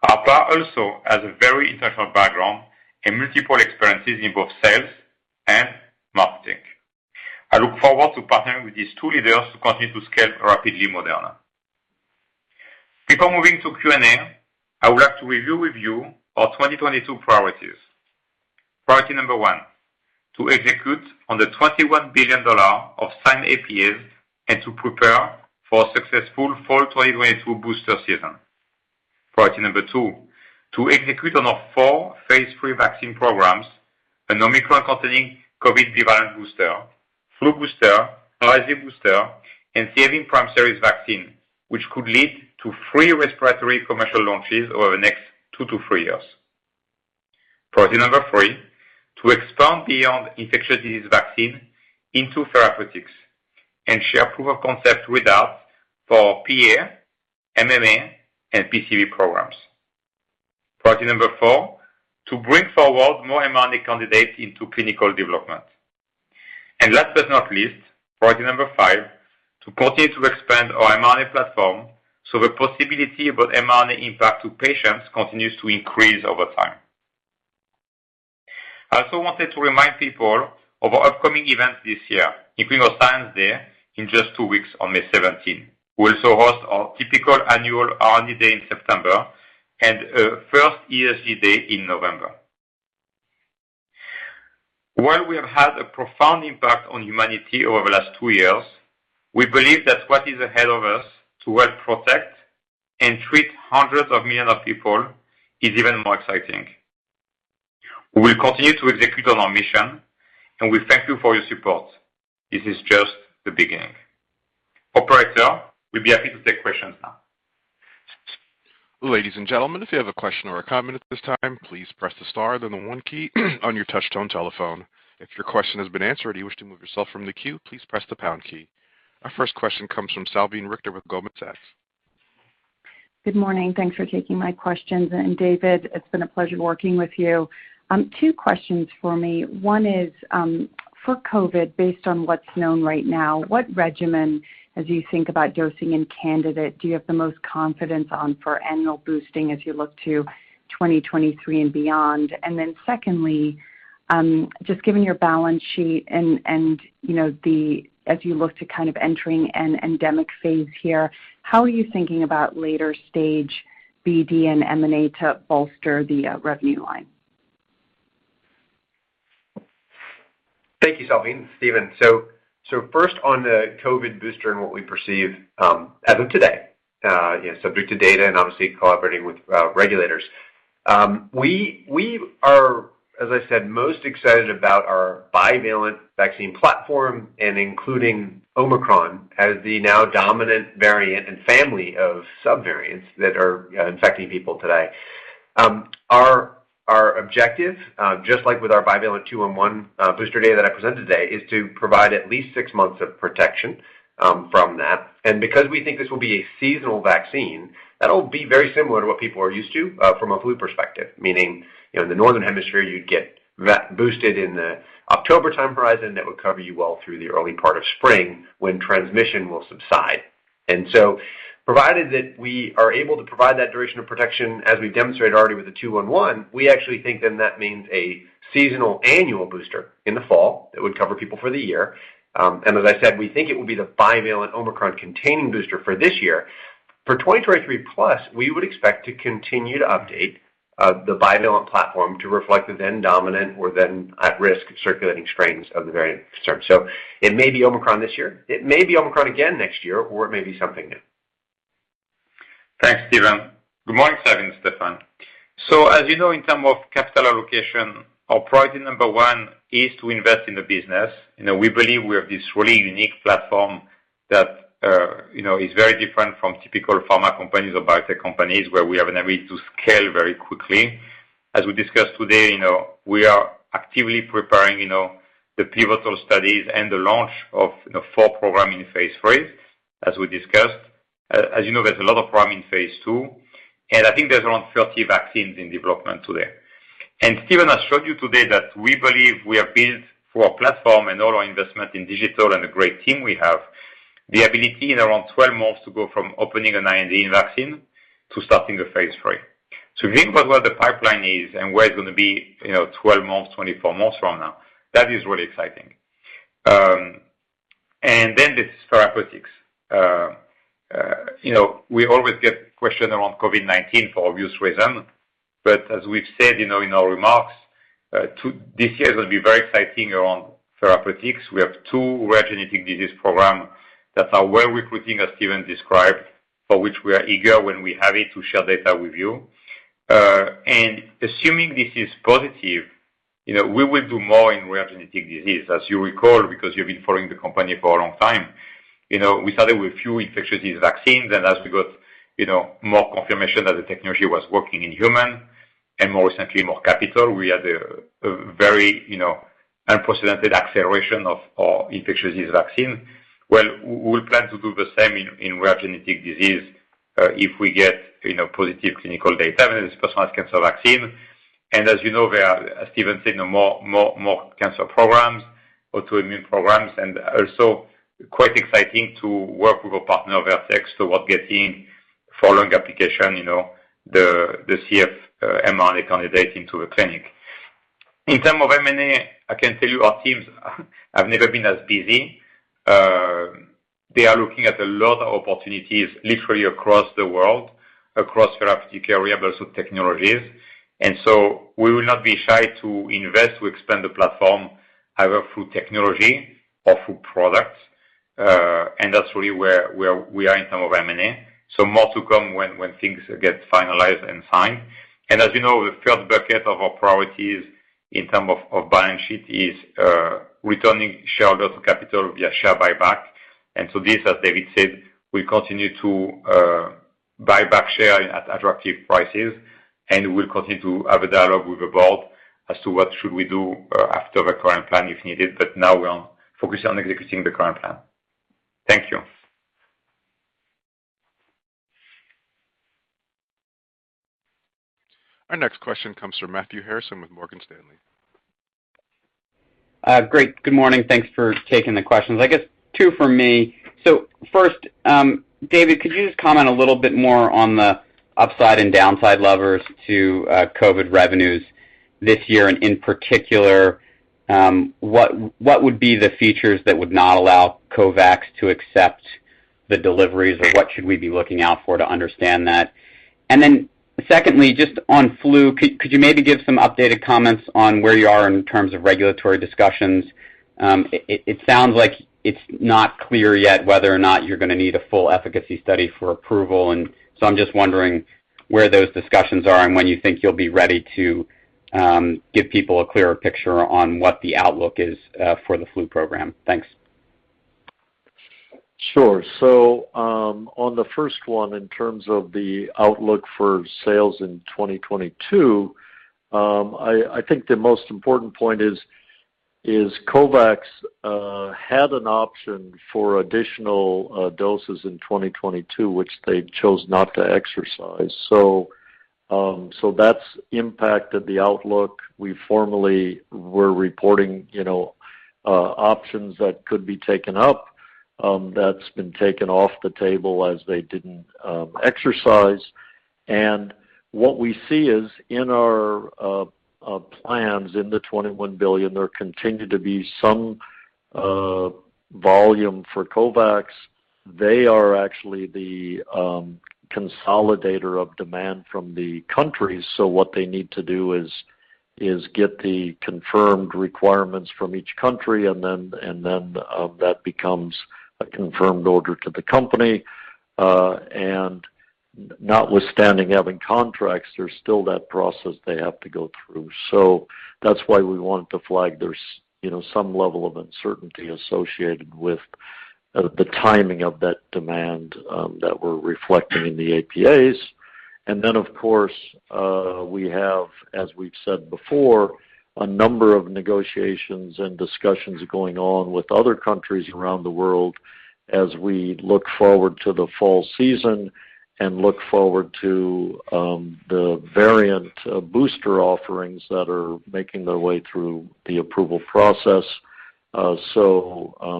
Arpa Garay also has a very international background and multiple experiences in both sales and marketing. I look forward to partnering with these two leaders to continue to scale rapidly Moderna. Before moving to Q&A, I would like to review with you our 2022 priorities. Priority number one, to execute on the $21 billion of signed APAs and to prepare for a successful fall 2022 booster season. Priority number II, to execute on our four phase III vaccine programs, an Omicron-containing COVID bivalent booster, flu booster, RSV booster, and CV prime series vaccine, which could lead to three respiratory commercial launches over the next two to three years. Priority number three, to expand beyond infectious disease vaccine into therapeutics and share proof of concept with us for PA, MMA, and PCV programs. Priority number four, to bring forward more mRNA candidates into clinical development. Last but not least, priority number five, to continue to expand our mRNA platform so the possibility about mRNA impact to patients continues to increase over time. I also wanted to remind people of our upcoming events this year, including our Science Day in just two weeks on May 17th. We also host our typical annual R&D Day in September and first ESG Day in November. While we have had a profound impact on humanity over the last two years, we believe that what is ahead of us to help protect and treat hundreds of millions of people is even more exciting. We will continue to execute on our mission, and we thank you for your support. This is just the beginning. Operator, we'll be happy to take questions now. Ladies and gentlemen, if you have a question or a comment at this time, please press the star, then the one key on your touchtone telephone. If your question has been answered and you wish to move yourself from the queue, please press the pound key. Our first question comes from Salveen Richter with Goldman Sachs. Good morning. Thanks for taking my questions. David, it's been a pleasure working with you. Two questions for me. One is, for COVID, based on what's known right now, what regimen, as you think about dosing and candidates, do you have the most confidence on for annual boosting as you look to 2023 and beyond? Then secondly, just given your balance sheet and you know as you look to kind of entering an endemic phase here, how are you thinking about later-stage BD and M&A to bolster the revenue line? Thank you, Salveen. Stephen. First on the COVID booster and what we perceive, as of today, you know, subject to data and obviously collaborating with regulators. We are, as I said, most excited about our bivalent vaccine platform and including Omicron as the now dominant variant and family of subvariants that are infecting people today. Our objective, just like with our bivalent 2-in-1 booster data that I presented today, is to provide at least six months of protection from that. Because we think this will be a seasonal vaccine, that'll be very similar to what people are used to from a flu perspective, meaning, you know, in the northern hemisphere, you'd get boosted in the October time horizon, that would cover you well through the early part of spring when transmission will subside. Provided that we are able to provide that duration of protection as we've demonstrated already with the two-in-one, we actually think then that means a seasonal annual booster in the fall that would cover people for the year. As I said, we think it will be the bivalent Omicron-containing booster for this year. For 2023 plus, we would expect to continue to update. The bivalent platform to reflect the then dominant or then at-risk circulating strains of the variant of concern. It may be Omicron this year, it may be Omicron again next year, or it may be something new. Thanks, Stephen. Good morning, Salveen, Stephen. As you know, in terms of capital allocation, our priority number one is to invest in the business. You know, we believe we have this really unique platform that, you know, is very different from typical pharma companies or biotech companies, where we have an ability to scale very quickly. As we discussed today, you know, we are actively preparing, you know, the pivotal studies and the launch of, you know, four programs in phase III, as we discussed. As you know, there's a lot of programs in phase II, and I think there's around 30 vaccines in development today. Stephen has showed you today that we believe we are built for a platform and all our investment in digital and the great team we have, the ability in around 12 months to go from opening an IND vaccine to starting the phase III. If you think about where the pipeline is and where it's gonna be, you know, 12 months, 24 months from now, that is really exciting. There's therapeutics. You know, we always get questioned around COVID-19 for obvious reason, but as we've said, you know, in our remarks, this year is gonna be very exciting around therapeutics. We have two rare genetic disease program that are well recruiting, as Stephen described, for which we are eager when we have it to share data with you. Assuming this is positive, you know, we will do more in rare genetic disease. As you recall, because you've been following the company for a long time, you know, we started with few infectious disease vaccines, and as we got, you know, more confirmation that the technology was working in human and more recently, more capital, we had a very, you know, unprecedented acceleration of infectious disease vaccine. Well, we plan to do the same in rare genetic disease, if we get, you know, positive clinical data, whether it's personalized cancer vaccine. As you know, there are, as Stephen said, you know, more cancer programs or two immune programs, and also quite exciting to work with our partner, Vertex, towards getting the IND application, you know, the CF mRNA candidate into the clinic. In terms of M&A, I can tell you our teams have never been as busy. They are looking at a lot of opportunities literally across the world, across therapeutic areas, but also technologies. We will not be shy to invest to expand the platform either through technology or through products, and that's really where we are in terms of M&A. More to come when things get finalized and signed. As you know, the third bucket of our priorities in terms of balance sheet is returning capital to shareholders via share buyback. This, as David said, we continue to buy back shares at attractive prices, and we'll continue to have a dialogue with the board as to what we should do after the current plan if needed. Now we are focused on executing the current plan. Thank you. Our next question comes from Matthew Harrison with Morgan Stanley. Great. Good morning. Thanks for taking the questions. I guess two from me. First, David, could you just comment a little bit more on the upside and downside levers to COVID revenues this year? And in particular, what would be the features that would not allow COVAX to accept the deliveries, or what should we be looking out for to understand that? Secondly, just on flu, could you maybe give some updated comments on where you are in terms of regulatory discussions? It sounds like it's not clear yet whether or not you're gonna need a full efficacy study for approval. I'm just wondering where those discussions are and when you think you'll be ready to give people a clearer picture on what the outlook is for the flu program. Thanks. Sure. On the first one, in terms of the outlook for sales in 2022, I think the most important point is COVAX had an option for additional doses in 2022, which they chose not to exercise. That's impacted the outlook. We formally were reporting, you know, options that could be taken up, that's been taken off the table as they didn't exercise. What we see is in our plans in the $21 billion, there continued to be some volume for COVAX. They are actually the consolidator of demand from the countries. What they need to do is get the confirmed requirements from each country, and then that becomes a confirmed order to the company. Notwithstanding having contracts, there's still that process they have to go through. That's why we wanted to flag there's, you know, some level of uncertainty associated with the timing of that demand that we're reflecting in the APAs. Of course, we have, as we've said before, a number of negotiations and discussions going on with other countries around the world as we look forward to the fall season and look forward to the variant booster offerings that are making their way through the approval process.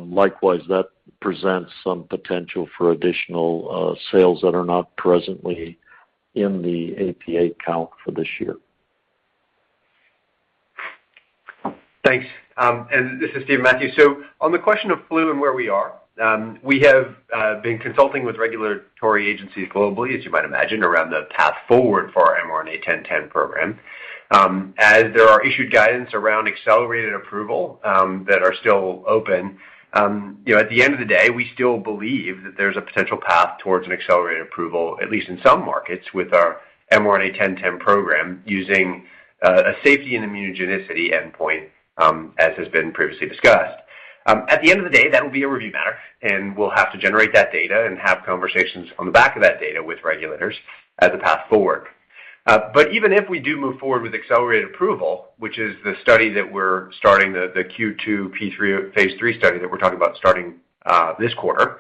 Likewise, that presents some potential for additional sales that are not presently in the APA count for this year. Thanks. This is Stephen. On the question of flu and where we are, we have been consulting with regulatory agencies globally, as you might imagine, around the path forward for our mRNA-1010 program. As there are issued guidance around accelerated approval that are still open, you know, at the end of the day, we still believe that there's a potential path towards an accelerated approval, at least in some markets, with our mRNA-1010 program using a safety and immunogenicity endpoint, as has been previously discussed. At the end of the day, that will be a review matter, and we'll have to generate that data and have conversations on the back of that data with regulators as a path forward. Even if we do move forward with accelerated approval, which is the study that we're starting the Q2, phase III study that we're talking about starting, this quarter,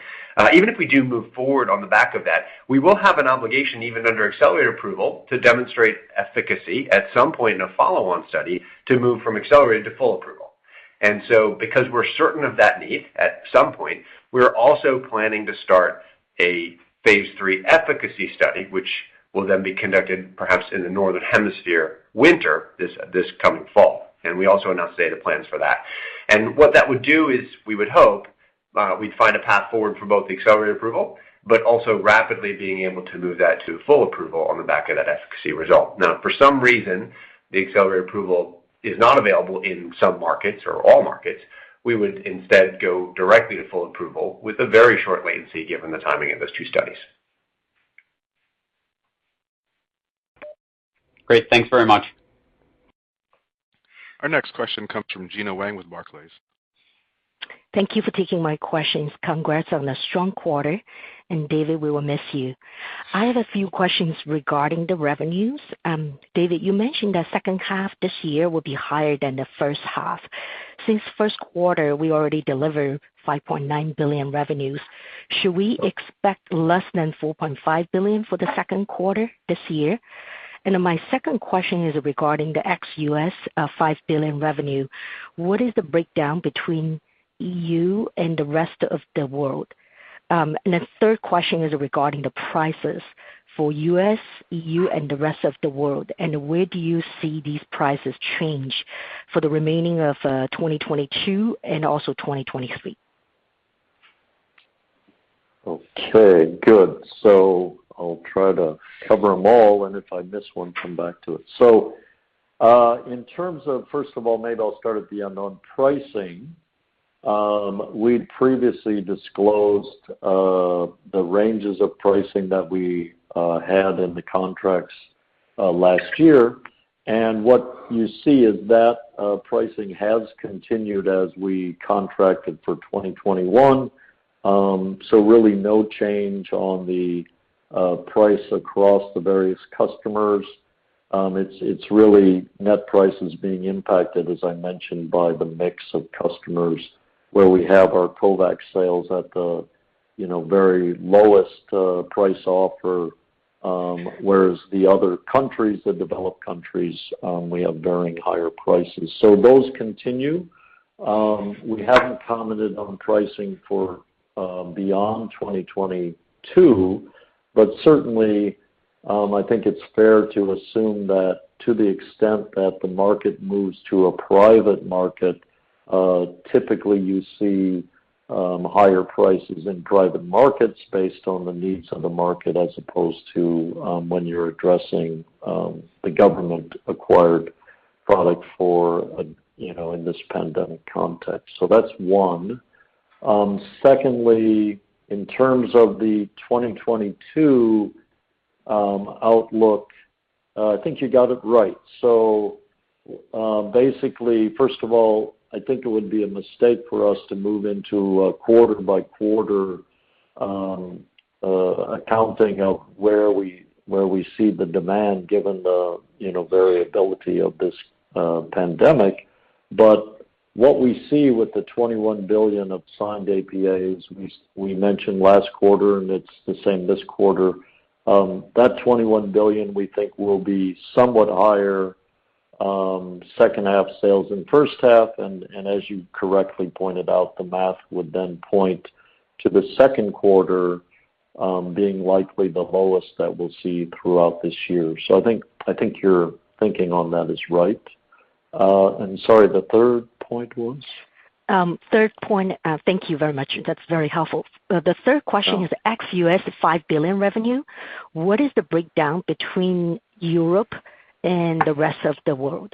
even if we do move forward on the back of that, we will have an obligation, even under accelerated approval, to demonstrate efficacy at some point in a follow-on study to move from accelerated to full approval. Because we're certain of that need at some point, we're also planning to start a phase III efficacy study, which will then be conducted perhaps in the northern hemisphere winter this coming fall. We also announced data plans for that. What that would do is we would hope we'd find a path forward for both the accelerated approval, but also rapidly being able to move that to full approval on the back of that efficacy result. Now, if for some reason the accelerated approval is not available in some markets or all markets, we would instead go directly to full approval with a very short latency given the timing of those two studies. Great. Thanks very much. Our next question comes from Gena Wang with Barclays. Thank you for taking my questions. Congrats on a strong quarter, and David, we will miss you. I have a few questions regarding the revenues. David, you mentioned that second half this year will be higher than the first half. Since first quarter we already delivered $5.9 billion revenues, should we expect less than $4.5 billion for the second quarter this year? My second question is regarding the ex-US $5 billion revenue. What is the breakdown between EU and the rest of the world? The third question is regarding the prices for US, EU, and the rest of the world, and where do you see these prices change for the remaining of 2022 and also 2023? Okay, good. I'll try to cover them all, and if I miss one, come back to it. In terms of, first of all, maybe I'll start at the unannounced pricing. We'd previously disclosed the ranges of pricing that we had in the contracts last year. What you see is that pricing has continued as we contracted for 2021. Really no change on the price across the various customers. It's really net prices being impacted, as I mentioned, by the mix of customers where we have our COVAX sales at the, you know, very lowest price offer, whereas the other countries, the developed countries, we have varying higher prices. Those continue. We haven't commented on pricing for beyond 2022, but certainly, I think it's fair to assume that to the extent that the market moves to a private market, typically you see higher prices in private markets based on the needs of the market as opposed to when you're addressing the government-acquired product for, you know, in this pandemic context. So that's one. Secondly, in terms of the 2022 outlook, I think you got it right. So, basically, first of all, I think it would be a mistake for us to move into a quarter-by-quarter accounting of where we see the demand given the, you know, variability of this pandemic. What we see with the $21 billion of signed APAs we mentioned last quarter, and it's the same this quarter, that $21 billion, we think will be somewhat higher second half sales than first half. As you correctly pointed out, the math would then point to the second quarter being likely the lowest that we'll see throughout this year. I think your thinking on that is right. Sorry, the third point was? Third point, thank you very much. That's very helpful. The third question is ex-US $5 billion revenue, what is the breakdown between Europe and the rest of the world?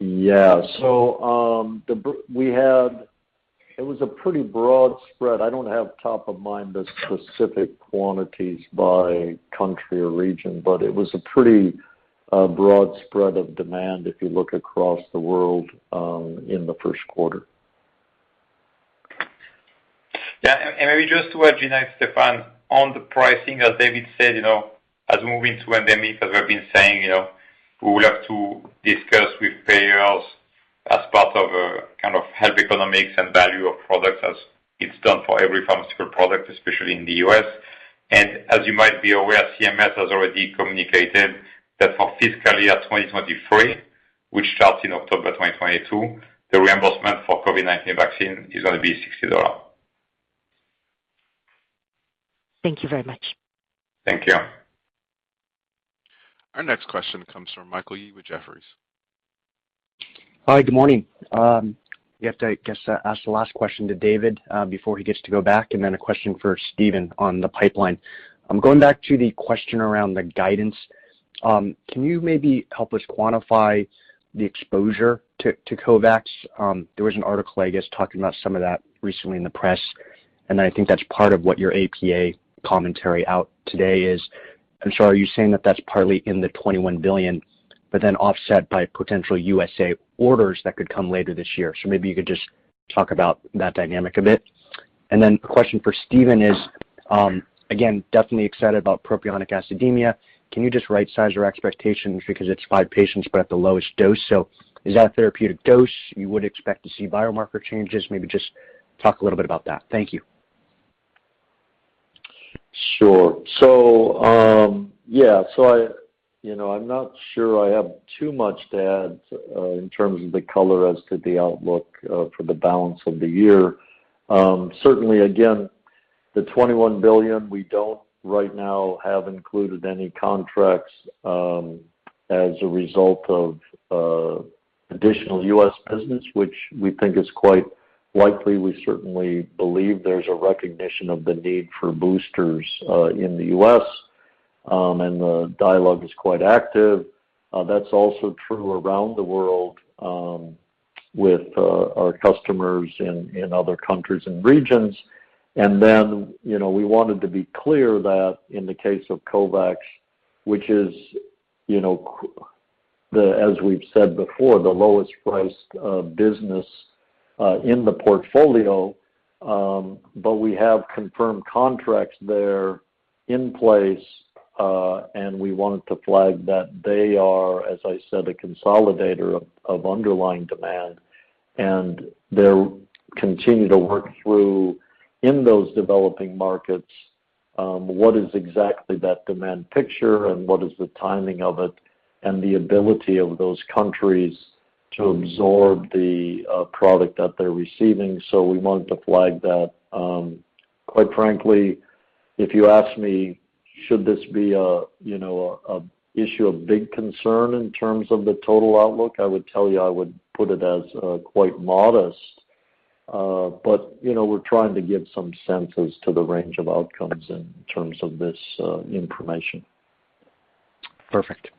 It was a pretty broad spread. I don't have top of mind the specific quantities by country or region, but it was a pretty broad spread of demand if you look across the world in the first quarter. Yeah. Maybe just to add, Gena and Stéphane, on the pricing, as David said, you know, as we move into endemic, as we've been saying, you know, we will have to discuss with payers as part of a kind of health economics and value of products as it's done for every pharmaceutical product, especially in the U.S. As you might be aware, CMS has already communicated that for fiscal year 2023, which starts in October 2022, the reimbursement for COVID-19 vaccine is gonna be $60. Thank you very much. Thank you. Our next question comes from Michael Yee with Jefferies. Hi, good morning. You have to, I guess, ask the last question to David before he gets to go back, and then a question for Stephen on the pipeline. I'm going back to the question around the guidance. Can you maybe help us quantify the exposure to COVAX? There was an article, I guess, talking about some of that recently in the press, and I think that's part of what your APA commentary out today is. I'm sorry, are you saying that that's partly in the $21 billion, but then offset by potential USA orders that could come later this year? Maybe you could just talk about that dynamic a bit. A question for Stephen is, again, definitely excited about propionic acidemia. Can you just right size your expectations because it's five patients, but at the lowest dose. Is that a therapeutic dose you would expect to see biomarker changes? Maybe just talk a little bit about that. Thank you. Sure. I, you know, I'm not sure I have too much to add in terms of the color as to the outlook for the balance of the year. Certainly, again, the $21 billion we don't right now have included any contracts as a result of additional U.S. business, which we think is quite likely. We certainly believe there's a recognition of the need for boosters in the U.S., and the dialogue is quite active. That's also true around the world with our customers in other countries and regions. We wanted to be clear that in the case of COVAX, which is, you know, the as we've said before, the lowest priced business in the portfolio, but we have confirmed contracts there in place, and we wanted to flag that they are, as I said, a consolidator of underlying demand. They'll continue to work through in those developing markets what is exactly that demand picture and what is the timing of it and the ability of those countries to absorb the product that they're receiving. We wanted to flag that. Quite frankly, if you ask me, should this be a, you know, issue of big concern in terms of the total outlook, I would tell you I would put it as quite modest. You know, we're trying to give some sense as to the range of outcomes in terms of this information. Perfect.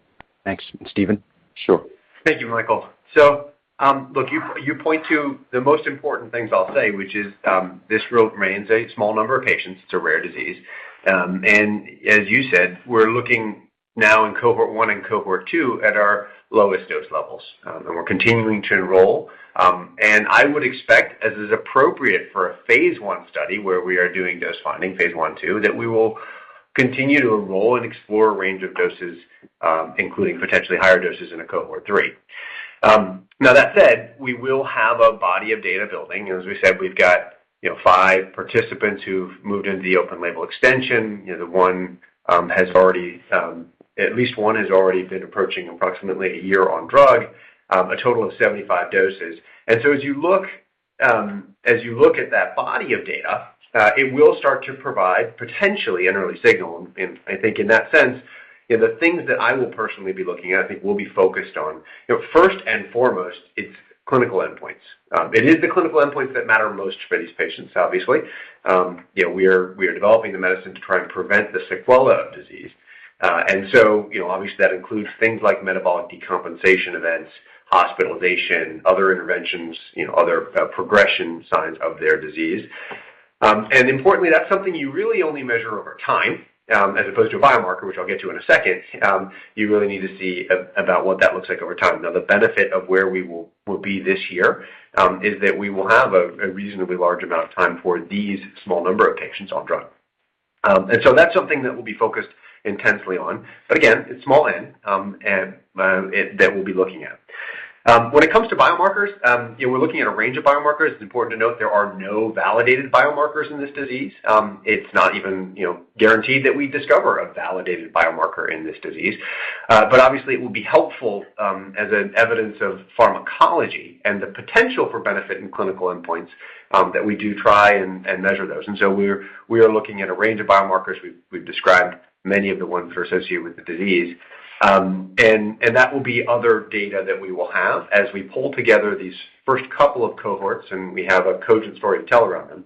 Thanks. Stephen? Sure. Thank you, Michael. Look, you point to the most important things I'll say, which is, this remains a small number of patients. It's a rare disease. As you said, we're looking now in cohort one and cohort two at our lowest dose levels. We're continuing to enroll. I would expect, as is appropriate for a phase I study where we are doing dose finding phase I/II, that we will continue to enroll and explore a range of doses, including potentially higher doses in a cohort three. Now that said, we will have a body of data building. As we said, we've got, you know, five participants who've moved into the open label extension. You know, the one has already, at least one has already been approaching approximately a year on drug, a total of 75 doses. As you look at that body of data, it will start to provide potentially an early signal. I think in that sense, you know, the things that I will personally be looking at, I think will be focused on, you know, first and foremost it's clinical endpoints. It is the clinical endpoints that matter most for these patients, obviously. You know, we are developing the medicine to try and prevent the sequela of disease. You know, obviously that includes things like metabolic decompensation events, hospitalization, other interventions, you know, other progression signs of their disease. Importantly, that's something you really only measure over time, as opposed to a biomarker, which I'll get to in a second. You really need to see about what that looks like over time. Now, the benefit of where we will be this year is that we will have a reasonably large amount of time for these small number of patients on drug. That's something that we'll be focused intensely on. Again, it's small n, and that we'll be looking at. When it comes to biomarkers, you know, we're looking at a range of biomarkers. It's important to note there are no validated biomarkers in this disease. It's not even, you know, guaranteed that we discover a validated biomarker in this disease. Obviously it will be helpful, as an evidence of pharmacology and the potential for benefit in clinical endpoints, that we do try and measure those. We are looking at a range of biomarkers. We've described many of the ones that are associated with the disease. That will be other data that we will have as we pull together these first couple of cohorts, and we have a cogent story to tell around them.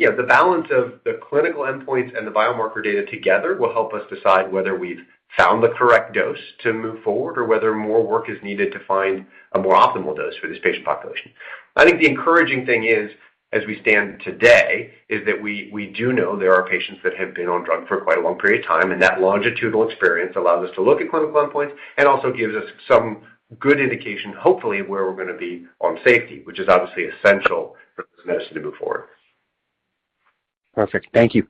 You know, the balance of the clinical endpoints and the biomarker data together will help us decide whether we've found the correct dose to move forward or whether more work is needed to find a more optimal dose for this patient population. I think the encouraging thing is, as we stand today, is that we do know there are patients that have been on drug for quite a long period of time, and that longitudinal experience allows us to look at clinical endpoints and also gives us some good indication, hopefully, where we're gonna be on safety, which is obviously essential for this medicine to move forward. Perfect. Thank you.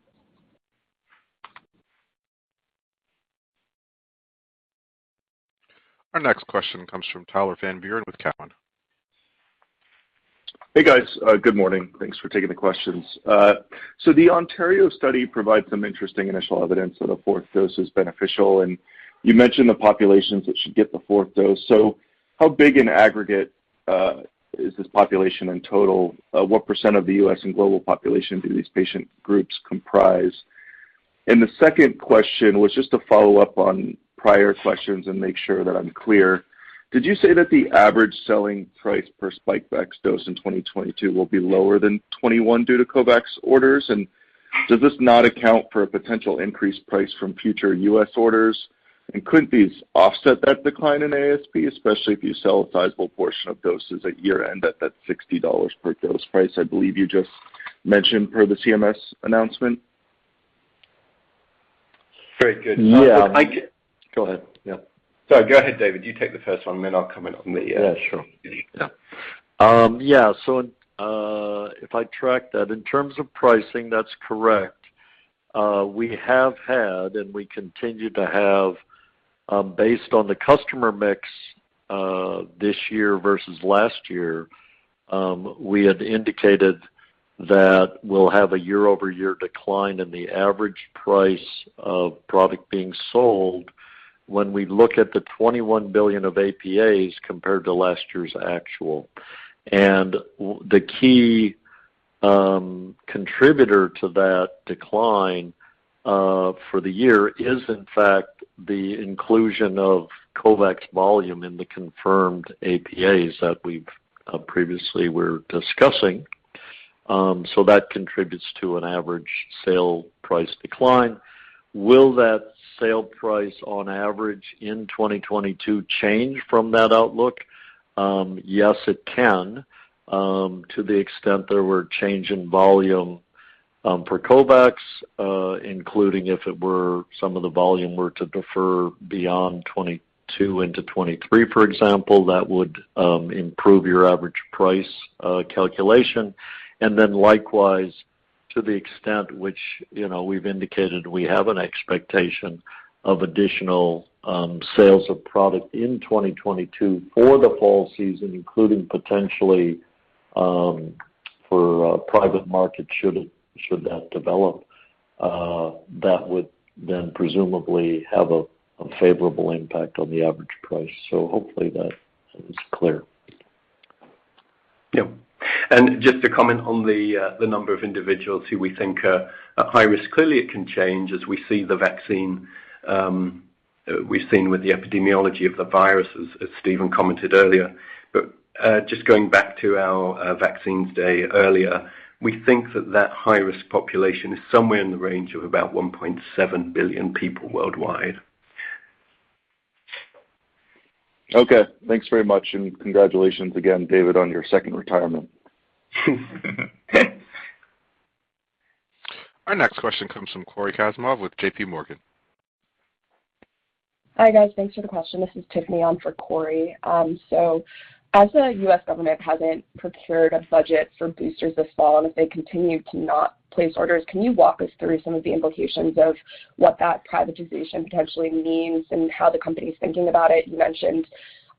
Our next question comes from Tyler Van Buren with Cowen. Hey, guys. Good morning. Thanks for taking the questions. The Ontario study provides some interesting initial evidence that a fourth dose is beneficial, and you mentioned the populations that should get the fourth dose. How big an aggregate is this population in total? What percent of the U.S. and global population do these patient groups comprise? The second question was just a follow-up on prior questions and make sure that I'm clear. Did you say that the average selling price per Spikevax dose in 2022 will be lower than 2021 due to COVAX orders? And does this not account for a potential increased price from future U.S. orders? And couldn't these offset that decline in ASP, especially if you sell a sizable portion of doses at year-end at that $60 per dose price I believe you just mentioned per the CMS announcement? Very good. Yeah. I c- Go ahead. Yeah. Sorry, go ahead, David. You take the first one, then I'll come in on the end. Yeah, sure. Yeah. If I track that, in terms of pricing, that's correct. We have had, and we continue to have, based on the customer mix, this year versus last year, we had indicated that we'll have a year-over-year decline in the average price of product being sold when we look at the $21 billion of APAs compared to last year's actual. The key contributor to that decline for the year is, in fact, the inclusion of COVAX volume in the confirmed APAs that we've previously were discussing. That contributes to an average sale price decline. Will that sale price on average in 2022 change from that outlook? Yes, it can, to the extent there were change in volume for COVAX, including if it were some of the volume were to defer beyond 2022 into 2023, for example, that would improve your average price calculation. And then likewise, to the extent which, you know, we've indicated we have an expectation of additional sales of product in 2022 for the fall season, including potentially for private market should that develop, that would then presumably have a favorable impact on the average price. Hopefully that is clear. Yeah. Just to comment on the number of individuals who we think are high risk. Clearly, it can change as we've seen with the epidemiology of the virus, as Stephen commented earlier. Just going back to our vaccines day earlier, we think that high-risk population is somewhere in the range of about 1.7 billion people worldwide. Okay. Thanks very much, and congratulations again, David, on your second retirement. Our next question comes from Cory Kasimov with JPMorgan. Hi, guys. Thanks for the question. This is Tiffany. I'm for Cory. As the U.S. government hasn't procured a budget for boosters this fall, and if they continue to not place orders, can you walk us through some of the implications of what that privatization potentially means and how the company is thinking about it?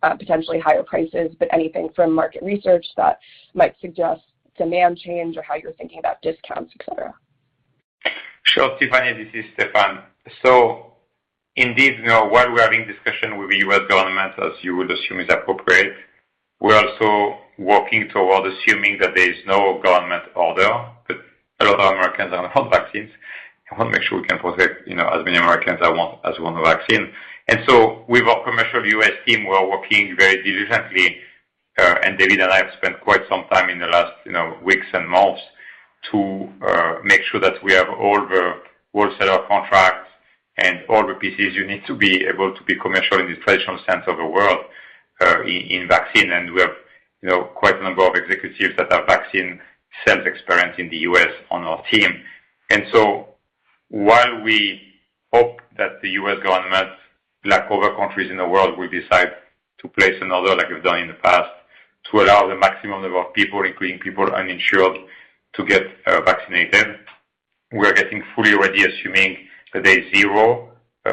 You mentioned potentially higher prices, but anything from market research that might suggest demand change or how you're thinking about discounts, et cetera? Sure, Tiffany. This is Stéphane. Indeed, you know, while we're having discussion with the U.S. government, as you would assume is appropriate, we're also working toward assuming that there is no government order, but a lot of Americans are on vaccines. I want to make sure we can protect, you know, as many Americans that want, as want the vaccine. With our commercial U.S. team, we are working very diligently, and David and I have spent quite some time in the last, you know, weeks and months to make sure that we have all the wholesaler contracts and all the pieces you need to be able to be commercial in the traditional sense of the word in vaccine. We have, you know, quite a number of executives that are vaccine sales experienced in the U.S. on our team. While we hope that the U.S. government, like other countries in the world, will decide to place an order like we've done in the past to allow the maximum number of people, including people uninsured, to get vaccinated, we're getting fully ready, assuming that there's 0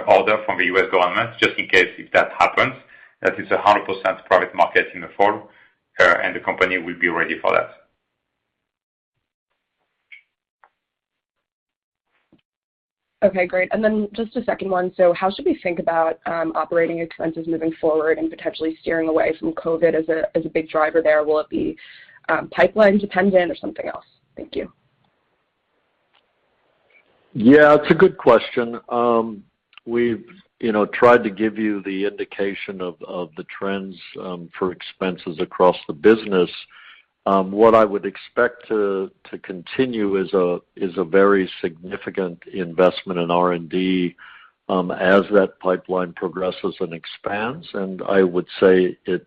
order from the U.S. government, just in case if that happens, that it's 100% private market in the fall, and the company will be ready for that. Okay, great. Just a second one. How should we think about operating expenses moving forward and potentially steering away from COVID as a big driver there? Will it be pipeline dependent or something else? Thank you. Yeah, it's a good question. We've, you know, tried to give you the indication of the trends for expenses across the business. What I would expect to continue is a very significant investment in R&D as that pipeline progresses and expands. I would say it,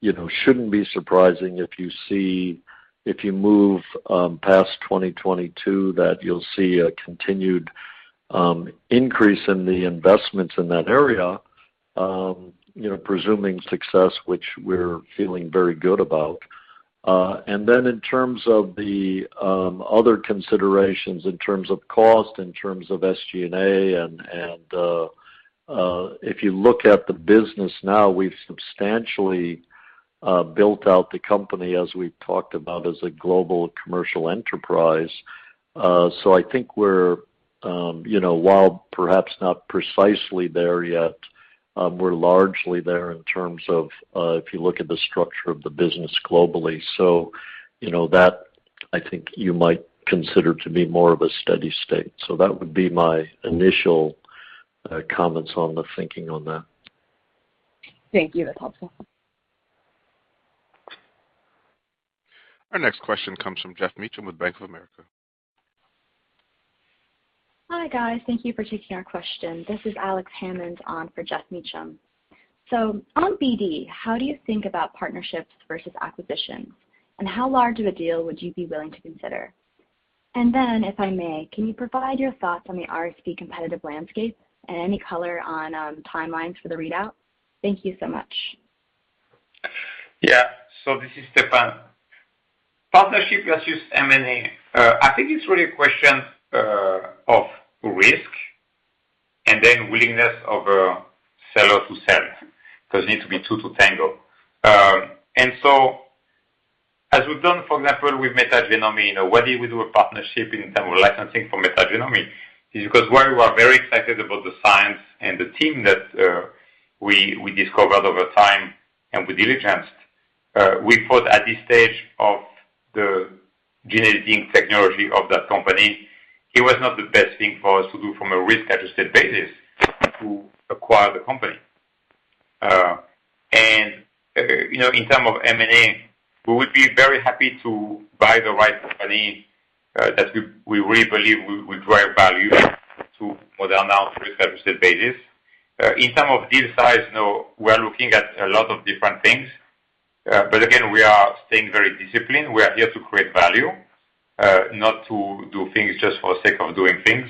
you know, shouldn't be surprising if you move past 2022, that you'll see a continued increase in the investments in that area, you know, presuming success, which we're feeling very good about. In terms of the other considerations in terms of cost, in terms of SG&A and if you look at the business now, we've substantially built out the company as we've talked about as a global commercial enterprise. I think we're, you know, while perhaps not precisely there yet, we're largely there in terms of, if you look at the structure of the business globally. You know, that I think you might consider to be more of a steady state. That would be my initial comments on the thinking on that. Thank you. That's helpful. Our next question comes from Geoff Meacham with Bank of America. Hi, guys. Thank you for taking our question. This is Alex Hammond on for Geoff Meacham. On BD, how do you think about partnerships versus acquisitions? How large of a deal would you be willing to consider? If I may, can you provide your thoughts on the RSV competitive landscape and any color on timelines for the readout? Thank you so much. Yeah. This is Stéphane. Partnership versus M&A. I think it's really a question of risk and then willingness of a seller to sell 'cause it needs to be two to tango. As we've done, for example, with Metagenomi, you know, why did we do a partnership in terms of licensing for Metagenomi? It's because we are very excited about the science and the team that we discovered over time and we diligenced. We thought at this stage of the gene editing technology of that company, it was not the best thing for us to do from a risk-adjusted basis to acquire the company. You know, in terms of M&A, we would be very happy to buy the right company that we really believe we drive value to Moderna's on a risk-adjusted basis. In terms of deal size, you know, we're looking at a lot of different things. Again, we are staying very disciplined. We are here to create value, not to do things just for the sake of doing things.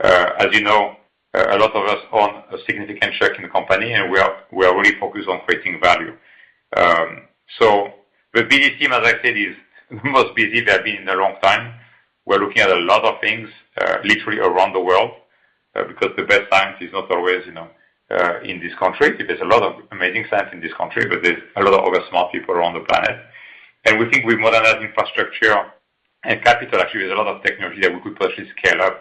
As you know, a lot of us own a significant share in the company, and we are really focused on creating value. The BD team, as I said, is the busiest they have been in a long time. We're looking at a lot of things, literally around the world, because the best science is not always, you know, in this country. There's a lot of amazing science in this country, but there's a lot of other smart people around the planet. We think with Moderna's infrastructure and capital, actually, there's a lot of technology that we could possibly scale up,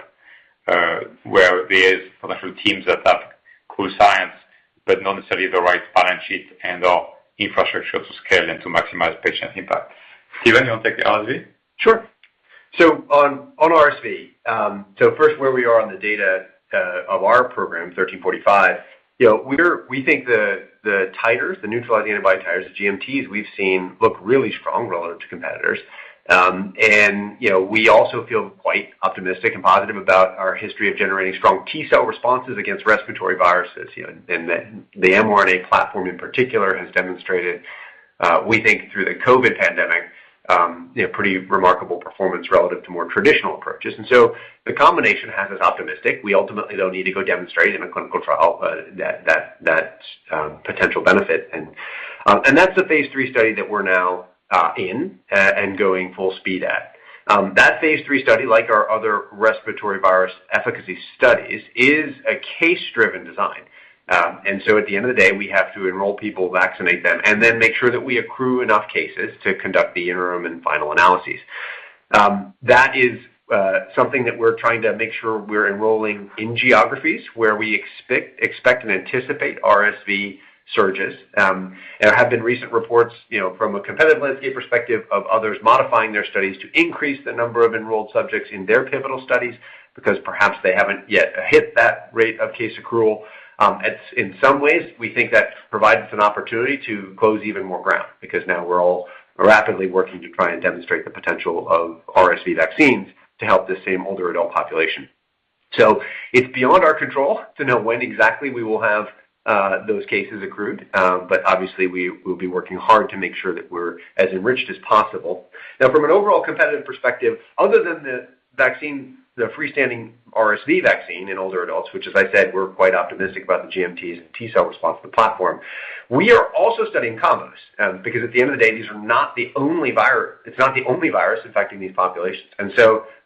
where there's potential teams that have cool science, but not necessarily the right balance sheet and/or infrastructure to scale and to maximize patient impact. Stephen, you want to take the RSV? Sure. On RSV, first where we are on the data of our program, mRNA-1345, you know, we think the titers, the neutralizing antibody titers, the GMTs we've seen look really strong relative to competitors. You know, we also feel quite optimistic and positive about our history of generating strong T-cell responses against respiratory viruses, you know. The mRNA platform in particular has demonstrated, we think through the COVID pandemic, you know, pretty remarkable performance relative to more traditional approaches. The combination has us optimistic. We ultimately, though, need to go demonstrate in a clinical trial that potential benefit. That's the phase III study that we're now in and going full speed at. That phase III study, like our other respiratory virus efficacy studies, is a case-driven design. At the end of the day, we have to enroll people, vaccinate them, and then make sure that we accrue enough cases to conduct the interim and final analyses. That is something that we're trying to make sure we're enrolling in geographies where we expect and anticipate RSV surges. There have been recent reports, you know, from a competitive landscape perspective of others modifying their studies to increase the number of enrolled subjects in their pivotal studies because perhaps they haven't yet hit that rate of case accrual. It's in some ways we think that provides us an opportunity to close even more ground because now we're all rapidly working to try and demonstrate the potential of RSV vaccines to help the same older adult population. It's beyond our control to know when exactly we will have those cases accrued. Obviously, we'll be working hard to make sure that we're as enriched as possible. Now, from an overall competitive perspective, other than the vaccine, the freestanding RSV vaccine in older adults, which, as I said, we're quite optimistic about the GMTs and T-cell response to the platform, we are also studying combos. Because at the end of the day, it's not the only virus infecting these populations.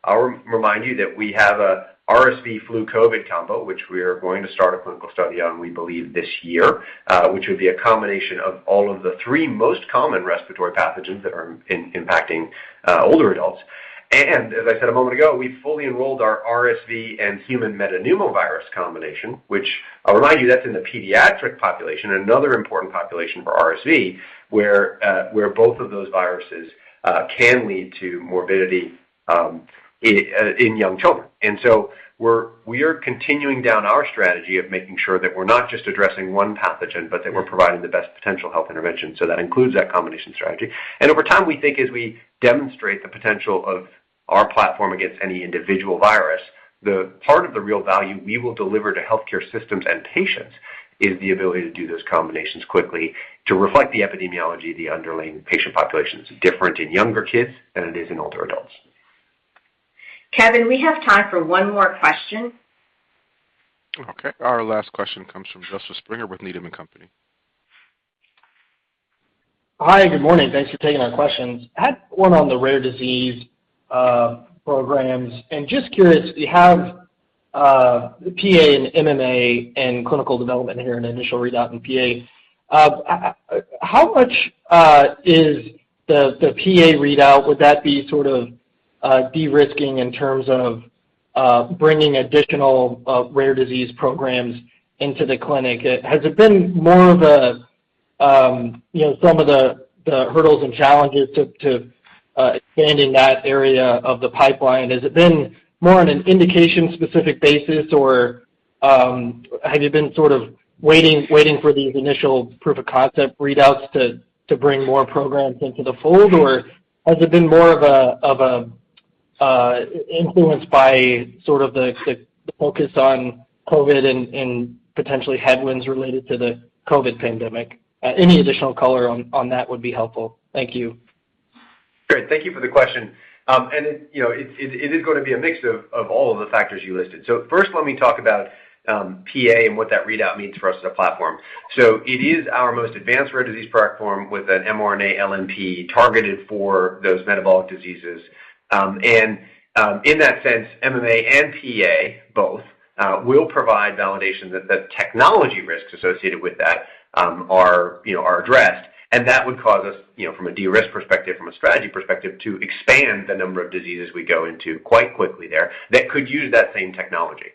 I'll remind you that we have a RSV flu COVID combo, which we are going to start a clinical study on, we believe, this year, which would be a combination of all of the three most common respiratory pathogens that are impacting older adults. As I said a moment ago, we've fully enrolled our RSV and human metapneumovirus combination, which I'll remind you, that's in the pediatric population, another important population for RSV, where both of those viruses can lead to morbidity in young children. We are continuing down our strategy of making sure that we're not just addressing one pathogen, but that we're providing the best potential health intervention. That includes that combination strategy. Over time, we think as we demonstrate the potential of our platform against any individual virus, the part of the real value we will deliver to healthcare systems and patients is the ability to do those combinations quickly to reflect the epidemiology of the underlying patient populations, different in younger kids than it is in older adults. Kevin, we have time for one more question. Okay. Our last question comes from Joseph Stringer with Needham & Company. Hi. Good morning. Thanks for taking our questions. I had one on the rare disease programs. Just curious, do you have- PA and MMA and clinical development here in initial readout and PA. How much is the PA readout, would that be sort of de-risking in terms of bringing additional rare disease programs into the clinic? Has it been more of a, you know, some of the hurdles and challenges to expanding that area of the pipeline? Has it been more on an indication specific basis or have you been sort of waiting for these initial proof of concept readouts to bring more programs into the fold? Or has it been more of a influenced by sort of the focus on COVID and potentially headwinds related to the COVID pandemic? Any additional color on that would be helpful. Thank you. Great. Thank you for the question. It, you know, it is gonna be a mix of all of the factors you listed. First let me talk about PA and what that readout means for us as a platform. It is our most advanced rare disease platform with an mRNA LNP targeted for those metabolic diseases. In that sense, MMA and PA both will provide validation that the technology risks associated with that, you know, are addressed. That would cause us, you know, from a de-risk perspective, from a strategy perspective, to expand the number of diseases we go into quite quickly there that could use that same technology.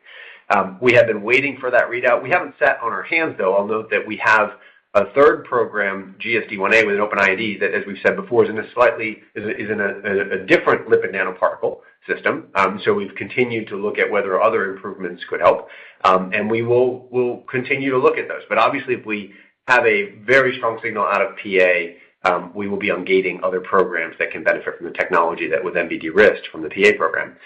We have been waiting for that readout. We haven't sat on our hands though. I'll note that we have a third program, GSD 1A with an open IND that, as we've said before, is in a different lipid nanoparticle system. We've continued to look at whether other improvements could help. We will continue to look at those. Obviously if we have a very strong signal out of PA, we will be ungating other programs that can benefit from the technology that would then be de-risked from the PA program.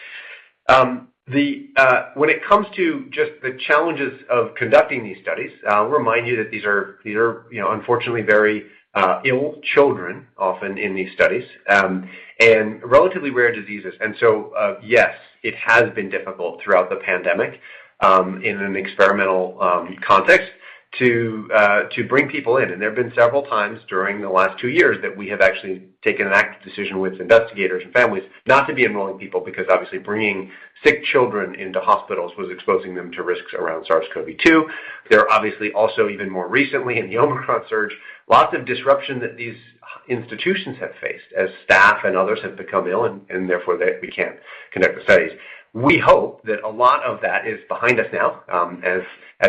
When it comes to just the challenges of conducting these studies, I'll remind you that these are, you know, unfortunately very ill children often in these studies, and relatively rare diseases. Yes, it has been difficult throughout the pandemic in an experimental context to bring people in. There have been several times during the last two years that we have actually taken an active decision with investigators and families not to be enrolling people because obviously bringing sick children into hospitals was exposing them to risks around SARS-CoV-2. There are obviously also even more recently in the Omicron surge, lots of disruption that these institutions have faced as staff and others have become ill and therefore they, we can't conduct the studies. We hope that a lot of that is behind us now as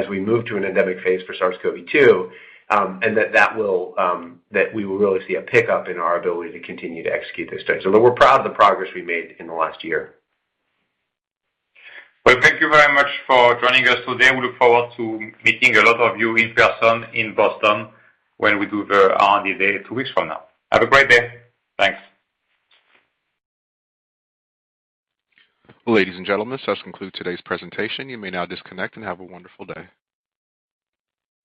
we move to an endemic phase for SARS-CoV-2 and that we will really see a pickup in our ability to continue to execute those studies. Look, we're proud of the progress we made in the last year. Well, thank you very much for joining us today. We look forward to meeting a lot of you in person in Boston when we do the R&D Day two weeks from now. Have a great day. Thanks. Ladies and gentlemen, this does conclude today's presentation. You may now disconnect and have a wonderful day.